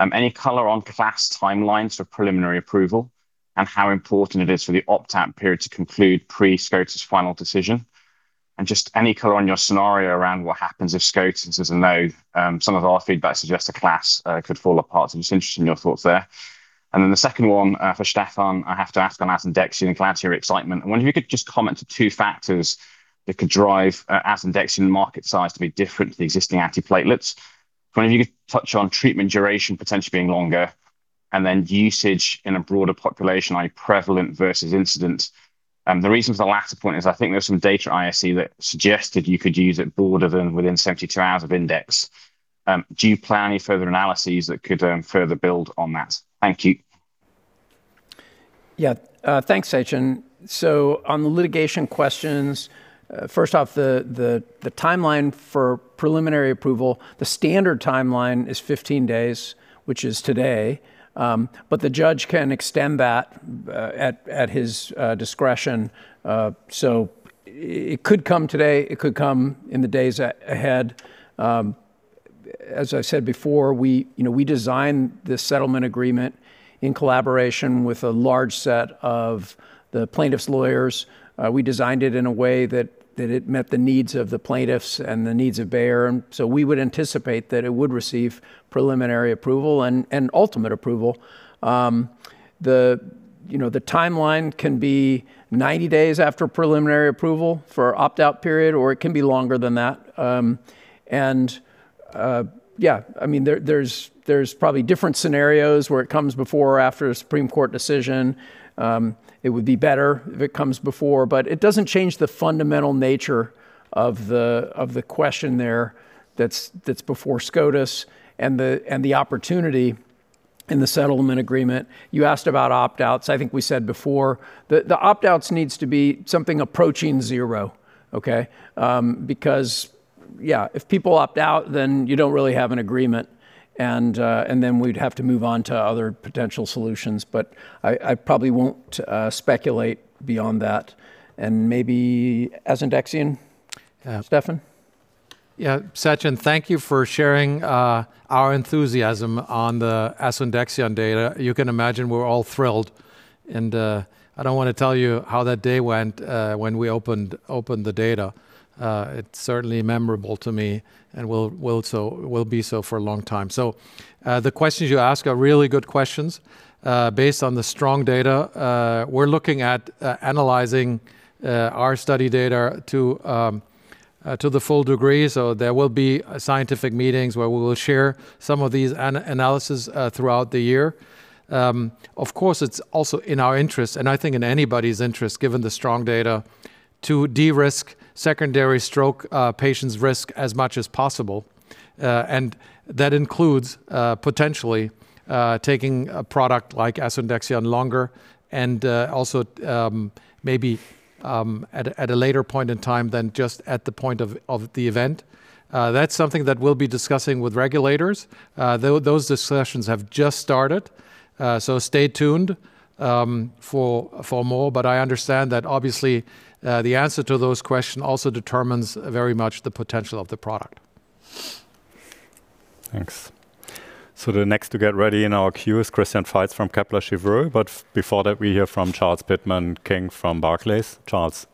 Any color on class timelines for preliminary approval and how important it is for the opt-out period to conclude pre-SCOTUS final decision? Just any color on your scenario around what happens if SCOTUS is a no? Some of our feedback suggests the class could fall apart, so I'm just interested in your thoughts there. Then the second one, for Stefan, I have to ask on Asundexian and [clatory] excitement. I wonder if you could just comment to 2 factors that could drive Asundexian market size to be different to the existing antiplatelets. Wondering if you could touch on treatment duration potentially being longer and then usage in a broader population, like prevalent versus incident. The reason for the latter point is I think there's some data ISC that suggested you could use it broader than within 72 hours of index. Do you plan any further analyses that could further build on that? Thank you. Yeah. Thanks, Sachin. On the litigation questions, first off, the timeline for preliminary approval, the standard timeline is 15 days, which is today. The judge can extend that at his discretion. It could come today, it could come in the days ahead. As I said before, we, you know, we designed this settlement agreement in collaboration with a large set of the plaintiff's lawyers. We designed it in a way that it met the needs of the plaintiffs and the needs of Bayer, we would anticipate that it would receive preliminary approval and ultimate approval. The, you know, the timeline can be 90 days after preliminary approval for opt-out period, or it can be longer than that. Yeah, I mean, there's probably different scenarios where it comes before or after a Supreme Court decision. It would be better if it comes before, but it doesn't change the fundamental nature of the question there that's before SCOTUS and the opportunity in the settlement agreement. You asked about opt-outs. I think we said before. The opt-outs needs to be something approaching zero, okay? Because yeah, if people opt out, then you don't really have an agreement, and then we'd have to move on to other potential solutions. But I probably won't speculate beyond that. Maybe Asundexian, Stefan? Yeah. Sachin, thank you for sharing our enthusiasm on the Asundexian data. You can imagine we're all thrilled, and I don't wanna tell you how that day went when we opened the data. It's certainly memorable to me and will be so for a long time. The questions you ask are really good questions. Based on the strong data, we're looking at analyzing our study data to the full degree. There will be scientific meetings where we will share some of these analysis throughout the year. Of course, it's also in our interest, and I think in anybody's interest, given the strong data, to de-risk secondary stroke patients' risk as much as possible. That includes potentially taking a product like Asundexian longer and also maybe at a later point in time than just at the point of the event. That's something that we'll be discussing with regulators. Those discussions have just started, stay tuned for more. I understand that obviously, the answer to those question also determines very much the potential of the product. Thanks. The next to get ready in our queue is Christian Faitz from Kepler Cheuvreux. Before that, we hear from Charles Pitman-King from Barclays. Charles.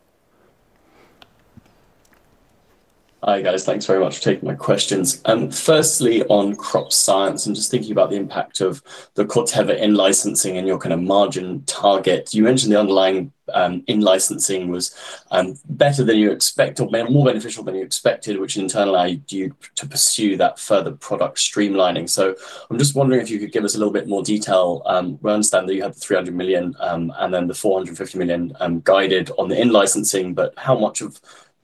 Hi, guys. Thanks very much for taking my questions. Firstly, on Crop Science, I'm just thinking about the impact of the Corteva in-licensing and your kind of margin target. You mentioned the underlying in-licensing was better than you expect or more beneficial than you expected, which in turn allowed you to pursue that further product streamlining. I'm just wondering if you could give us a little bit more detail. We understand that you have the 300 million and then the 450 million guided on the in-licensing, but how much of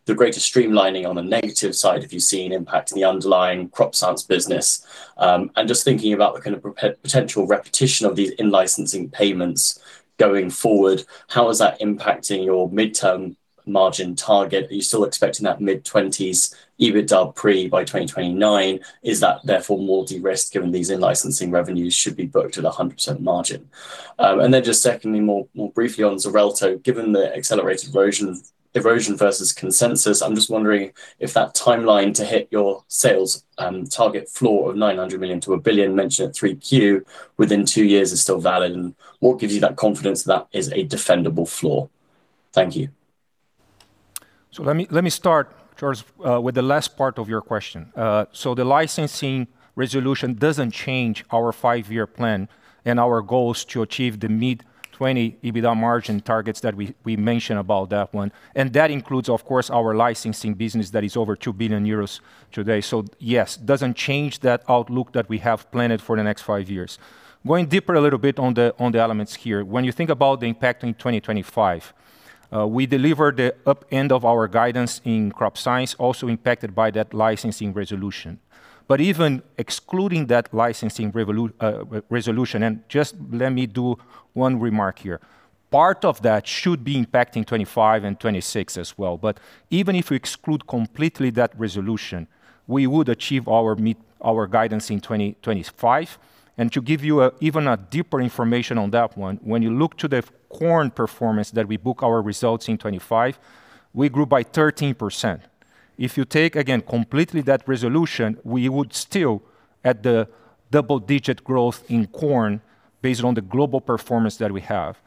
the greater streamlining on the negative side have you seen impact the underlying Crop Science business? And just thinking about the kind of potential repetition of these in-licensing payments going forward, how is that impacting your midterm margin target? Are you still expecting that mid-20s EBITDA pre by 2029? Is that therefore more de-risked given these in-licensing revenues should be booked at a 100% margin? Just secondly, more briefly on Xarelto, given the accelerated erosion versus consensus, I'm just wondering if that timeline to hit your sales target floor of $900 million-$1 billion mentioned at 3Q within two years is still valid, and what gives you that confidence that is a defendable floor? Thank you. Let me start, Charles, with the last part of your question. The licensing resolution doesn't change our five-year plan and our goals to achieve the mid-20 EBITDA margin targets that we mentioned about that one. That includes, of course, our licensing business that is over 2 billion euros today. Yes, doesn't change that outlook that we have planned for the next five years. Going deeper a little bit on the elements here. When you think about the impact in 2025, we delivered the up end of our guidance in Crop Science, also impacted by that licensing resolution. Even excluding that licensing resolution, and just let me do one remark here. Part of that should be impacting 25 and 26 as well. Even if we exclude completely that resolution, we would achieve our guidance in 2025. To give you even a deeper information on that one, when you look to the corn performance that we book our results in 25, we grew by 13%. If you take, again, completely that resolution, we would still at the double-digit growth in corn based on the global performance that we have.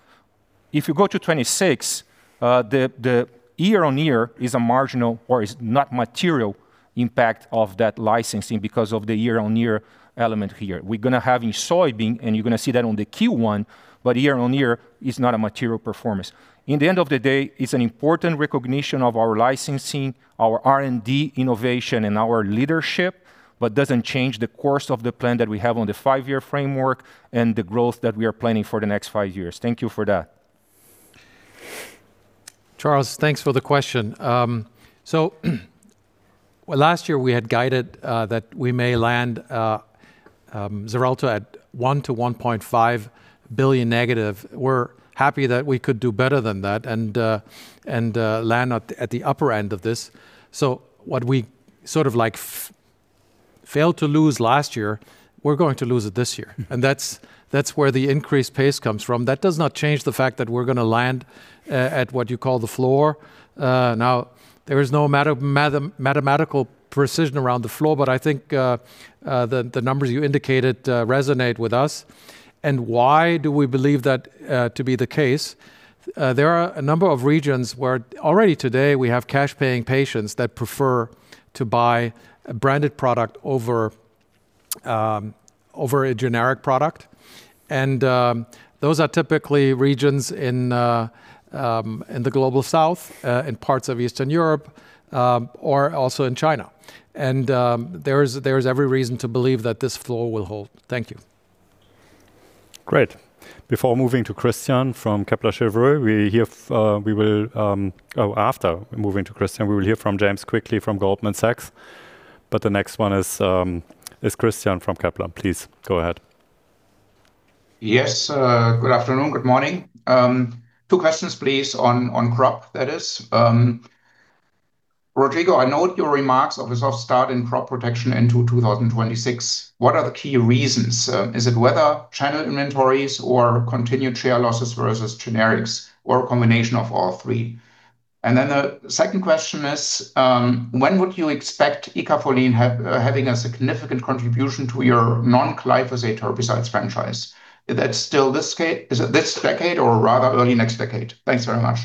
If you go to 26, the year-over-year is a marginal or is not material impact of that licensing because of the year-over-year element here. We're gonna have in soybean, and you're gonna see that on the Q1, but year-over-year is not a material performance. In the end of the day, it's an important recognition of our licensing, our R&D innovation, and our leadership. Doesn't change the course of the plan that we have on the Five-Year Framework and the growth that we are planning for the next five years. Thank you for that. Charles, thanks for the question. Last year we had guided that we may land Xarelto at 1 billion-1.5 billion negative. We're happy that we could do better than that and land at the upper end of this. What we sort of like failed to lose last year, we're going to lose it this year. That's where the increased pace comes from. That does not change the fact that we're gonna land at what you call the floor. Now, there is no mathematical precision around the floor, but I think the numbers you indicated resonate with us. Why do we believe that to be the case? There are a number of regions where already today we have cash paying patients that prefer to buy a branded product over a generic product. Those are typically regions in the Global South, in parts of Eastern Europe, or also in China. There is every reason to believe that this floor will hold. Thank you. Great. Before moving to Christian from Kepler Cheuvreux. After moving to Christian, we will hear from James Quigley from Goldman Sachs. The next one is Christian from Kepler. Please go ahead. Yes. Good afternoon, good morning. Two questions, please, on crop, that is. Rodrigo, I note your remarks of a soft start in crop protection into 2026. What are the key reasons? Is it weather, China inventories, or continued share losses versus generics, or a combination of all three? The second question is, when would you expect Icafolin having a significant contribution to your non-glyphosate herbicides franchise? Is it this decade or rather early next decade? Thanks very much.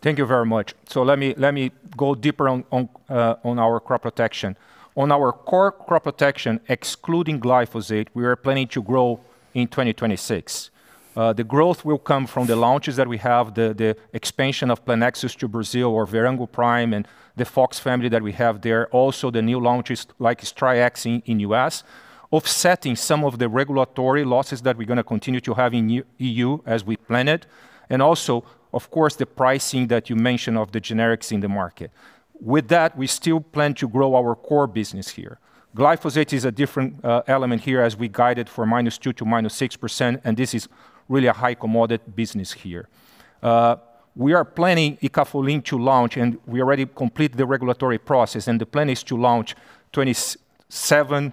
Thank you very much. Let me go deeper on our crop protection. On our core crop protection, excluding glyphosate, we are planning to grow in 2026. The growth will come from the launches that we have, the expansion of Preceon to Brazil or Verango Prime and the Fox family that we have there. The new launches like Stryax in U.S., offsetting some of the regulatory losses that we're gonna continue to have in EU as we planned. Of course, the pricing that you mentioned of the generics in the market. With that, we still plan to grow our core business here. Glyphosate is a different element here as we guided for -2% to -6%, this is really a high commodity business here. We are planning Icafolin to launch, and we already completed the regulatory process, and the plan is to launch 27,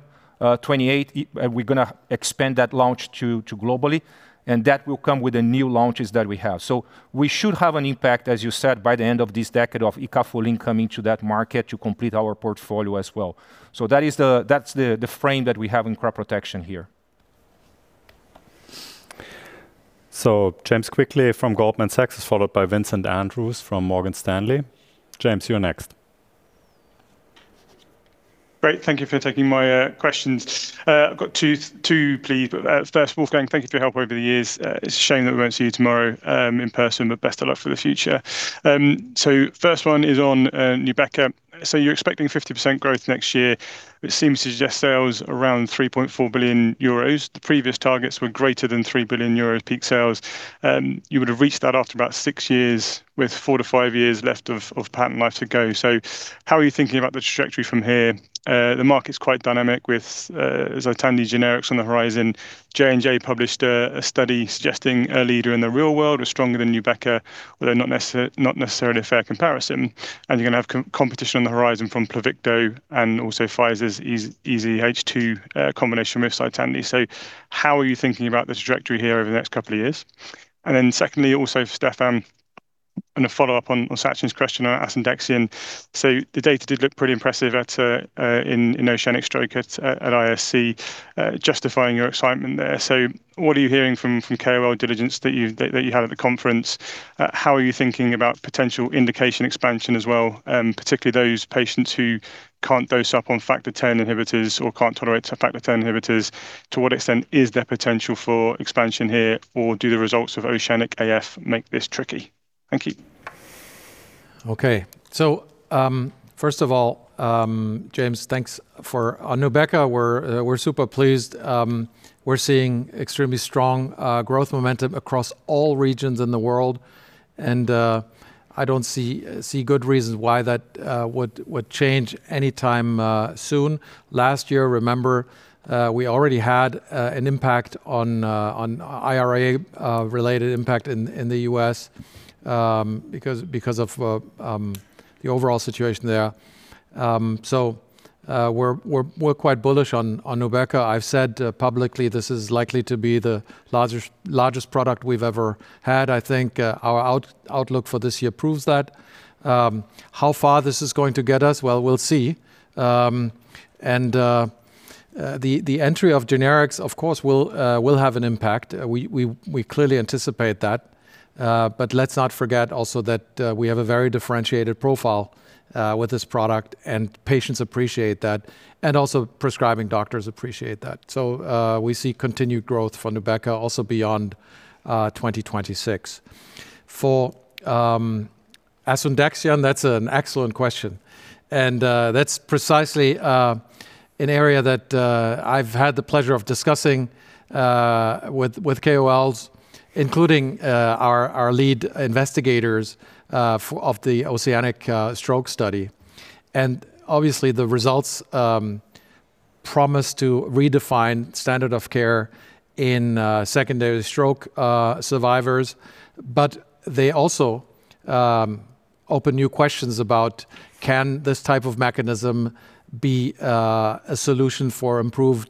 28. We're gonna expand that launch to globally, and that will come with the new launches that we have. We should have an impact, as you said, by the end of this decade of Icafolin coming to that market to complete our portfolio as well. That is the... that's the frame that we have in crop protection here. James Quigley from Goldman Sachs, followed by Vincent Andrews from Morgan Stanley. James, you're next. Great. Thank you for taking my questions. I've got two please. First, Wolfgang, thank you for your help over the years. It's a shame that we won't see you tomorrow in person, but best of luck for the future. First one is on Nubeqa. You're expecting 50% growth next year, which seems to suggest sales around 3.4 billion euros. The previous targets were greater than 3 billion euros peak sales. You would've reached that after about six years with four to five years left of patent life to go. How are you thinking about the trajectory from here? The market's quite dynamic with Xtandi generics on the horizon. J&J published a study suggesting early during the real world was stronger than Nubeqa, although not necessarily a fair comparison. You're going to have competition on the horizon from Pluvicto and also Pfizer's EZH2 combination with Xtandi. How are you thinking about the trajectory here over the next two years? Secondly, also for Stefan, a follow-up on Sachin's question on Asundexian. The data did look pretty impressive at OCEANIC-AF at ISC, justifying your excitement there. What are you hearing from KOL diligence that you had at the conference? How are you thinking about potential indication expansion as well, particularly those patients who can't dose up on [Factor Xa inhibitors] or can't tolerate [Factor Xa inhibitors]? To what extent is there potential for expansion here, or do the results of OCEANIC-AF make this tricky? Thank you. Okay. James, thanks for. On Nubeqa we're super pleased. We're seeing extremely strong growth momentum across all regions in the world, and I don't see good reasons why that would change anytime soon. Last year, remember, we already had an impact on IRA related impact in the U.S., because of the overall situation there. We're quite bullish on Nubeqa. I've said publicly this is likely to be the largest product we've ever had. I think our outlook for this year proves that. How far this is going to get us, well, we'll see. The entry of generics of course will have an impact. We clearly anticipate that. Let's not forget also that we have a very differentiated profile with this product and patients appreciate that, and also prescribing doctors appreciate that. We see continued growth for Nubeqa also beyond 2026. For Asundexian, that's an excellent question. That's precisely an area that I've had the pleasure of discussing with KOLs, including our lead investigators of the Oceanic Stroke Study. Obviously the results promise to redefine standard of care in secondary stroke survivors. They also open new questions about can this type of mechanism be a solution for improved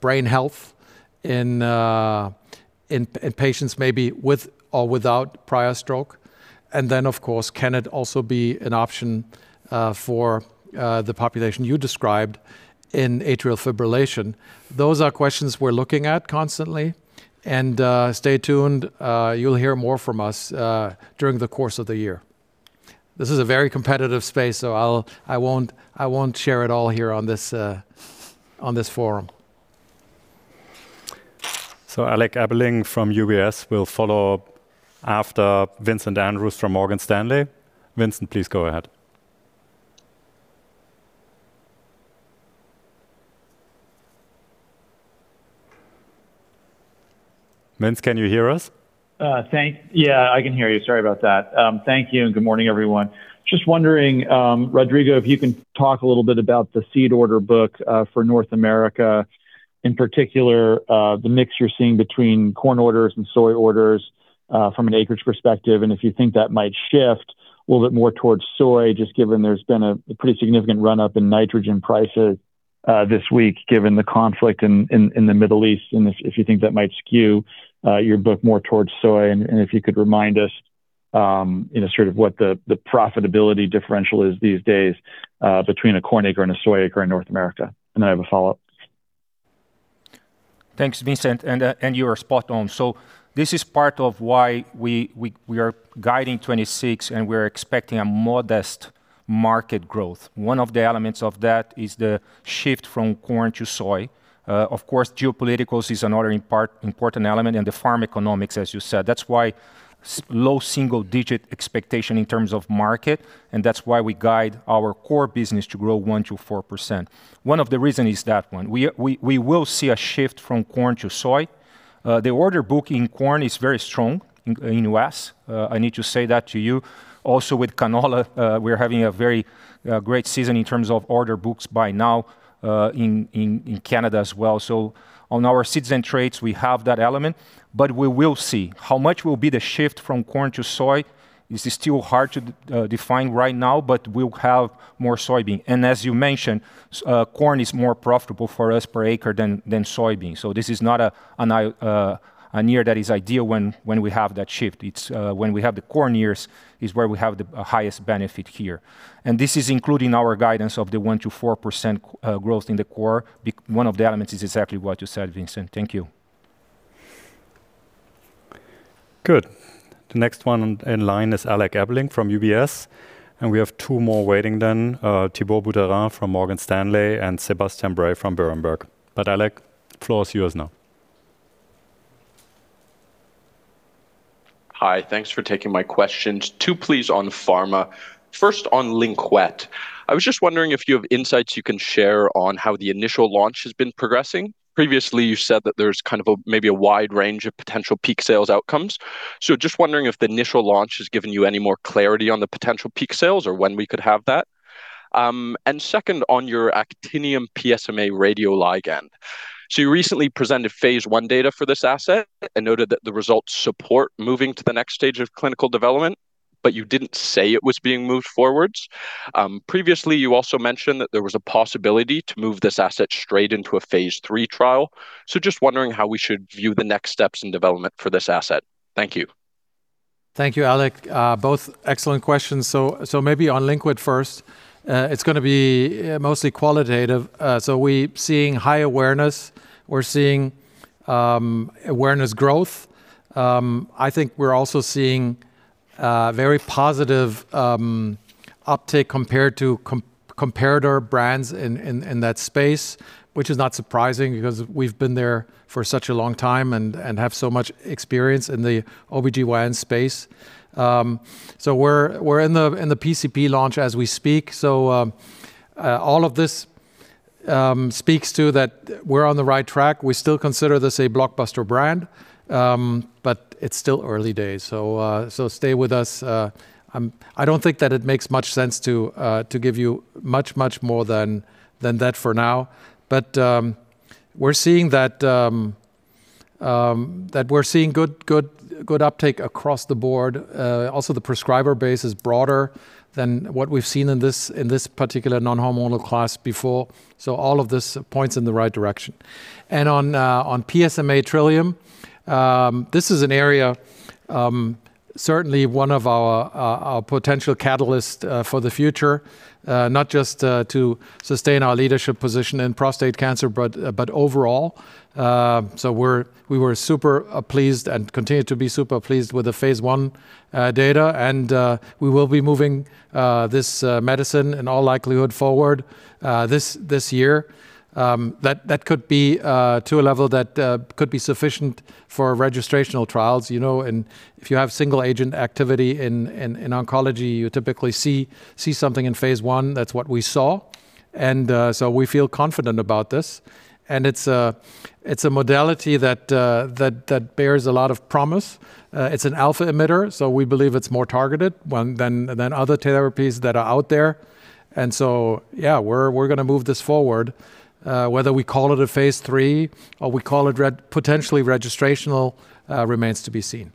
brain health in patients maybe with or without prior stroke? Of course, can it also be an option for the population you described in atrial fibrillation? Those are questions we're looking at constantly, and stay tuned. You'll hear more from us during the course of the year. This is a very competitive space, so I'll, I won't share it all here on this forum. Alec Ebeling from UBS will follow up after Vincent Andrews from Morgan Stanley. Vincent, please go ahead. Vince, can you hear us? Yeah, I can hear you. Sorry about that. Thank you and good morning, everyone. Just wondering, Rodrigo, if you can talk a little bit about the seed order book for North America, in particular, the mix you're seeing between corn orders and soy orders from an acreage perspective, and if you think that might shift a little bit more towards soy, just given there's been a pretty significant run-up in nitrogen prices this week, given the conflict in the Middle East, and if you think that might skew your book more towards soy and if you could remind us, you know, sort of what the profitability differential is these days between a corn acre and a soy acre in North America. I have a follow-up. Thanks, Vincent. You are spot on. This is part of why we are guiding 2026 and we're expecting a modest market growth. One of the elements of that is the shift from corn to soy. Of course, geopolitics is another important element, and the farm economics, as you said. That's why low single digit expectation in terms of market, and that's why we guide our core business to grow 1-4%. One of the reason is that one. We will see a shift from corn to soy. The order book in corn is very strong in U.S. I need to say that to you. Also, with canola, we're having a very great season in terms of order books by now in Canada as well. On our seeds and traits, we have that element, but we will see. How much will be the shift from corn to soybean is still hard to define right now, but we will have more soybean. As you mentioned, corn is more profitable for us per acre than soybean. This is not a year that is ideal when we have that shift. It's when we have the corn years is where we have the highest benefit here. This is including our guidance of the 1%-4% growth in the core. One of the elements is exactly what you said, Vincent. Thank you. Good. The next one in line is Alec Ebeling from UBS. We have two more waiting then, [Thibault De Smedt] from Morgan Stanley and Sebastian Bray from Berenberg. Alec, floor is yours now. Hi. Thanks for taking my questions. Two please on pharma. First, on Lynkuet. I was just wondering if you have insights you can share on how the initial launch has been progressing. Previously, you said that there's kind of a maybe a wide range of potential peak sales outcomes. Just wondering if the initial launch has given you any more clarity on the potential peak sales or when we could have that. And second on your actinium PSMA radioligand. You recently presented phase I data for this asset and noted that the results support moving to the next stage of clinical development, but you didn't say it was being moved forwards. Previously, you also mentioned that there was a possibility to move this asset straight into a phase III trial. Just wondering how we should view the next steps in development for this asset. Thank you. Thank you, Alec. Both excellent questions. Maybe on Lynkuet first. It's gonna be mostly qualitative. We're seeing high awareness. We're seeing awareness growth. I think we're also seeing very positive uptake compared to comparator brands in that space, which is not surprising because we've been there for such a long time and have so much experience in the OBGYN space. We're in the PCP launch as we speak. All of this speaks to that we're on the right track. We still consider this a blockbuster brand, but it's still early days, so stay with us. I don't think that it makes much sense to give you much, much more than that for now. We're seeing that we're seeing good uptake across the board. Also, the prescriber base is broader than what we've seen in this particular non-hormonal class before. All of this points in the right direction. On PSMA Trillium, this is an area, certainly one of our potential catalyst for the future, not just to sustain our leadership position in prostate cancer, but overall. We were super pleased and continue to be super pleased with the phase I data and we will be moving this medicine in all likelihood forward this year. That could be to a level that could be sufficient for registrational trials, you know. If you have single agent activity in oncology, you typically see something in phase I. That's what we saw. So we feel confident about this. It's a modality that bears a lot of promise. It's an alpha emitter, so we believe it's more targeted than other therapies that are out there. So, yeah, we're gonna move this forward. Whether we call it a phase III or we call it potentially registrational, remains to be seen.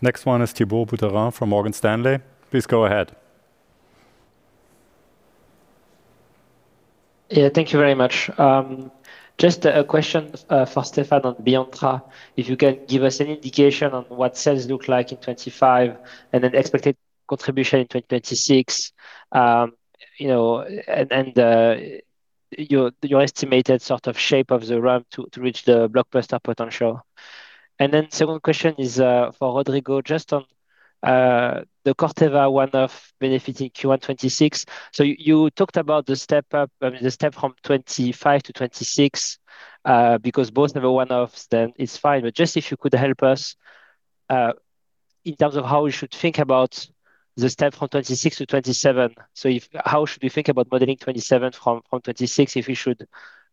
Next one is [Thibault Wild] from Morgan Stanley. Please go ahead. Thank you very much. Just a question for Stefan on Beyonttra. If you can give us an indication on what sales look like in 2025 and then expected contribution in 2026, you know, and your estimated sort of shape of the ramp to reach the blockbuster potential. Second question is for Rodrigo, just on the Corteva one-off benefiting Q1 2026. You talked about the step up, I mean the step from 2025 to 2026, because both have a one-off, then it's fine. Just if you could help us in terms of how we should think about the step from 2026 to 2027. How should we think about modeling 2027 from 2026 if we should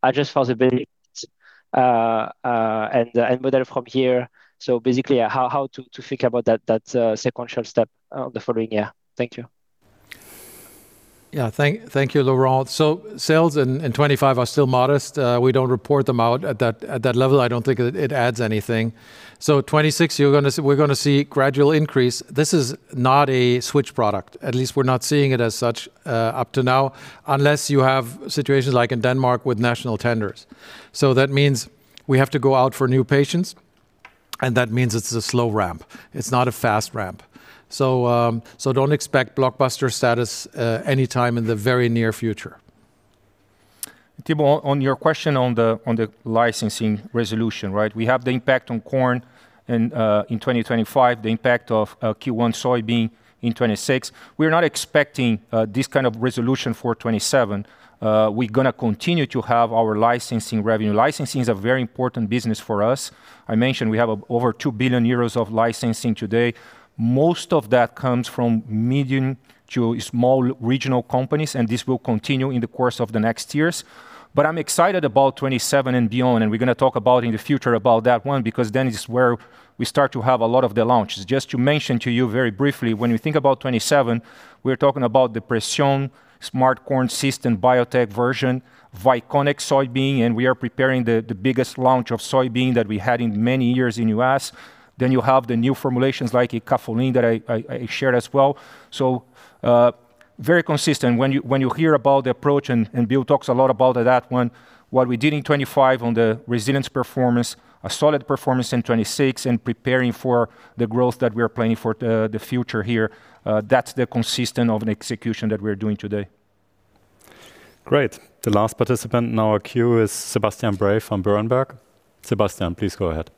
adjust for the and model from here. Basically how to think about that sequential step the following year. Thank you. Thank you, Thibault. Sales in 2025 are still modest. We don't report them out at that level. I don't think it adds anything. 2026, we're gonna see gradual increase. This is not a switch product. At least we're not seeing it as such, up to now, unless you have situations like in Denmark with national tenders. That means we have to go out for new patients, and that means it's a slow ramp. It's not a fast ramp. Don't expect blockbuster status anytime in the very near future. Tibo, on your question on the licensing resolution, right? We have the impact on corn in 2025, the impact of Q1 soybean in 2026. We're not expecting this kind of resolution for 2027. We're gonna continue to have our licensing revenue. Licensing is a very important business for us. I mentioned we have over 2 billion euros of licensing today. Most of that comes from medium to small regional companies, and this will continue in the course of the next years. I'm excited about 2027 and beyond, and we're gonna talk about in the future about that one because then it's where we start to have a lot of the launches. Just to mention to you very briefly, when you think about 2027, we're talking about the Preceon Smart Corn System biotech version, Vyconic soybean, and we are preparing the biggest launch of soybean that we had in many years in the U.S. You have the new formulations like Icafolin that I shared as well. Very consistent. When you hear about the approach, and Bill talks a lot about that one, what we did in 2025 on the resilience performance, a solid performance in 2026 and preparing for the growth that we are planning for the future here, that's the consistent of an execution that we're doing today. Great. The last participant in our queue is Sebastian Bray from Berenberg. Sebastian, please go ahead.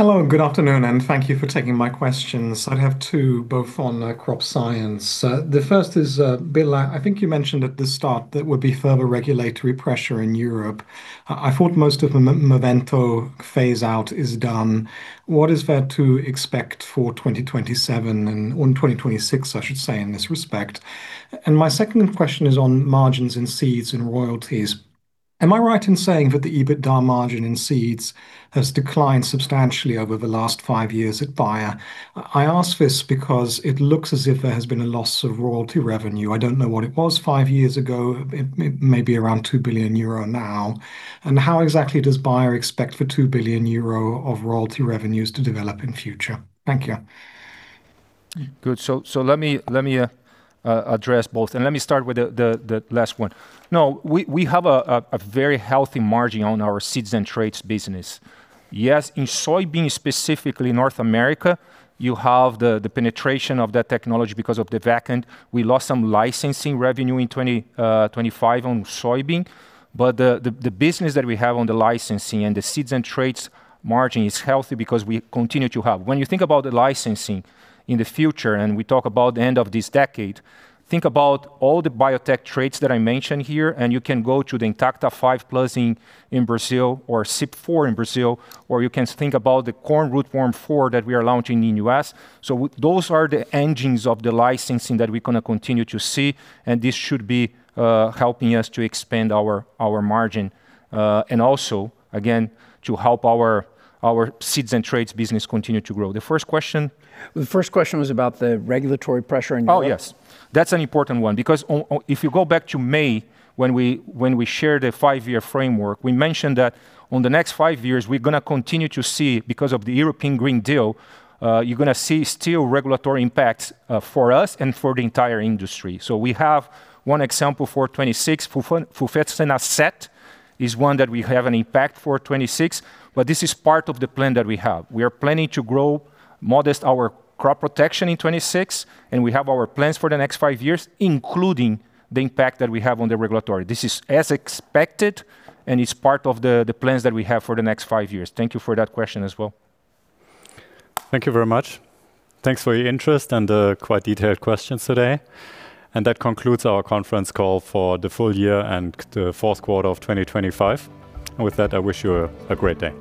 Hello, good afternoon, and thank you for taking my questions. I have two, both on Crop Science. The first is, Bill, I think you mentioned at the start there would be further regulatory pressure in Europe. I thought most of the Movento phase-out is done. What is there to expect for 2027 or in 2026, I should say, in this respect? My second question is on margins in seeds and royalties. Am I right in saying that the EBITDA margin in seeds has declined substantially over the last five years at Bayer? I ask this because it looks as if there has been a loss of royalty revenue. I don't know what it was five years ago. It may be around 2 billion euro now. How exactly does Bayer expect for 2 billion euro of royalty revenues to develop in future? Thank you. Good. Let me address both. Let me start with the last one. We have a very healthy margin on our seeds and traits business. Yes, in soybean, specifically North America, you have the penetration of that technology because of the vacatur. We lost some licensing revenue in 2025 on soybean. The business that we have on the licensing and the seeds and traits margin is healthy because we continue to have. When you think about the licensing in the future, we talk about the end of this decade, think about all the biotech traits that I mentioned here. You can go to the Intacta 5+ in Brazil or CIP 4 in Brazil, or you can think about the Corn Rootworm 4 that we are launching in the U.S. Those are the engines of the licensing that we're gonna continue to see, and this should be helping us to expand our margin, and also, again, to help our seeds and traits business continue to grow. The first question? The first question was about the regulatory pressure in Europe. Oh, yes. That's an important one because if you go back to May when we, when we shared a five year framework, we mentioned that on the next five years we're gonna continue to see, because of the European Green Deal, you're gonna see still regulatory impacts for us and for the entire industry. We have 1 example for 2026. [Fox Supra] is one that we have an impact for 2026, this is part of the plan that we have. We are planning to grow modest our crop protection in 2026, we have our plans for the next five years, including the impact that we have on the regulatory. This is as expected, it's part of the plans that we have for the next five years. Thank you for that question as well. Thank you very much. Thanks for your interest and the quite detailed questions today. That concludes our conference call for the full year and the fourth quarter of 2025. With that, I wish you a great day.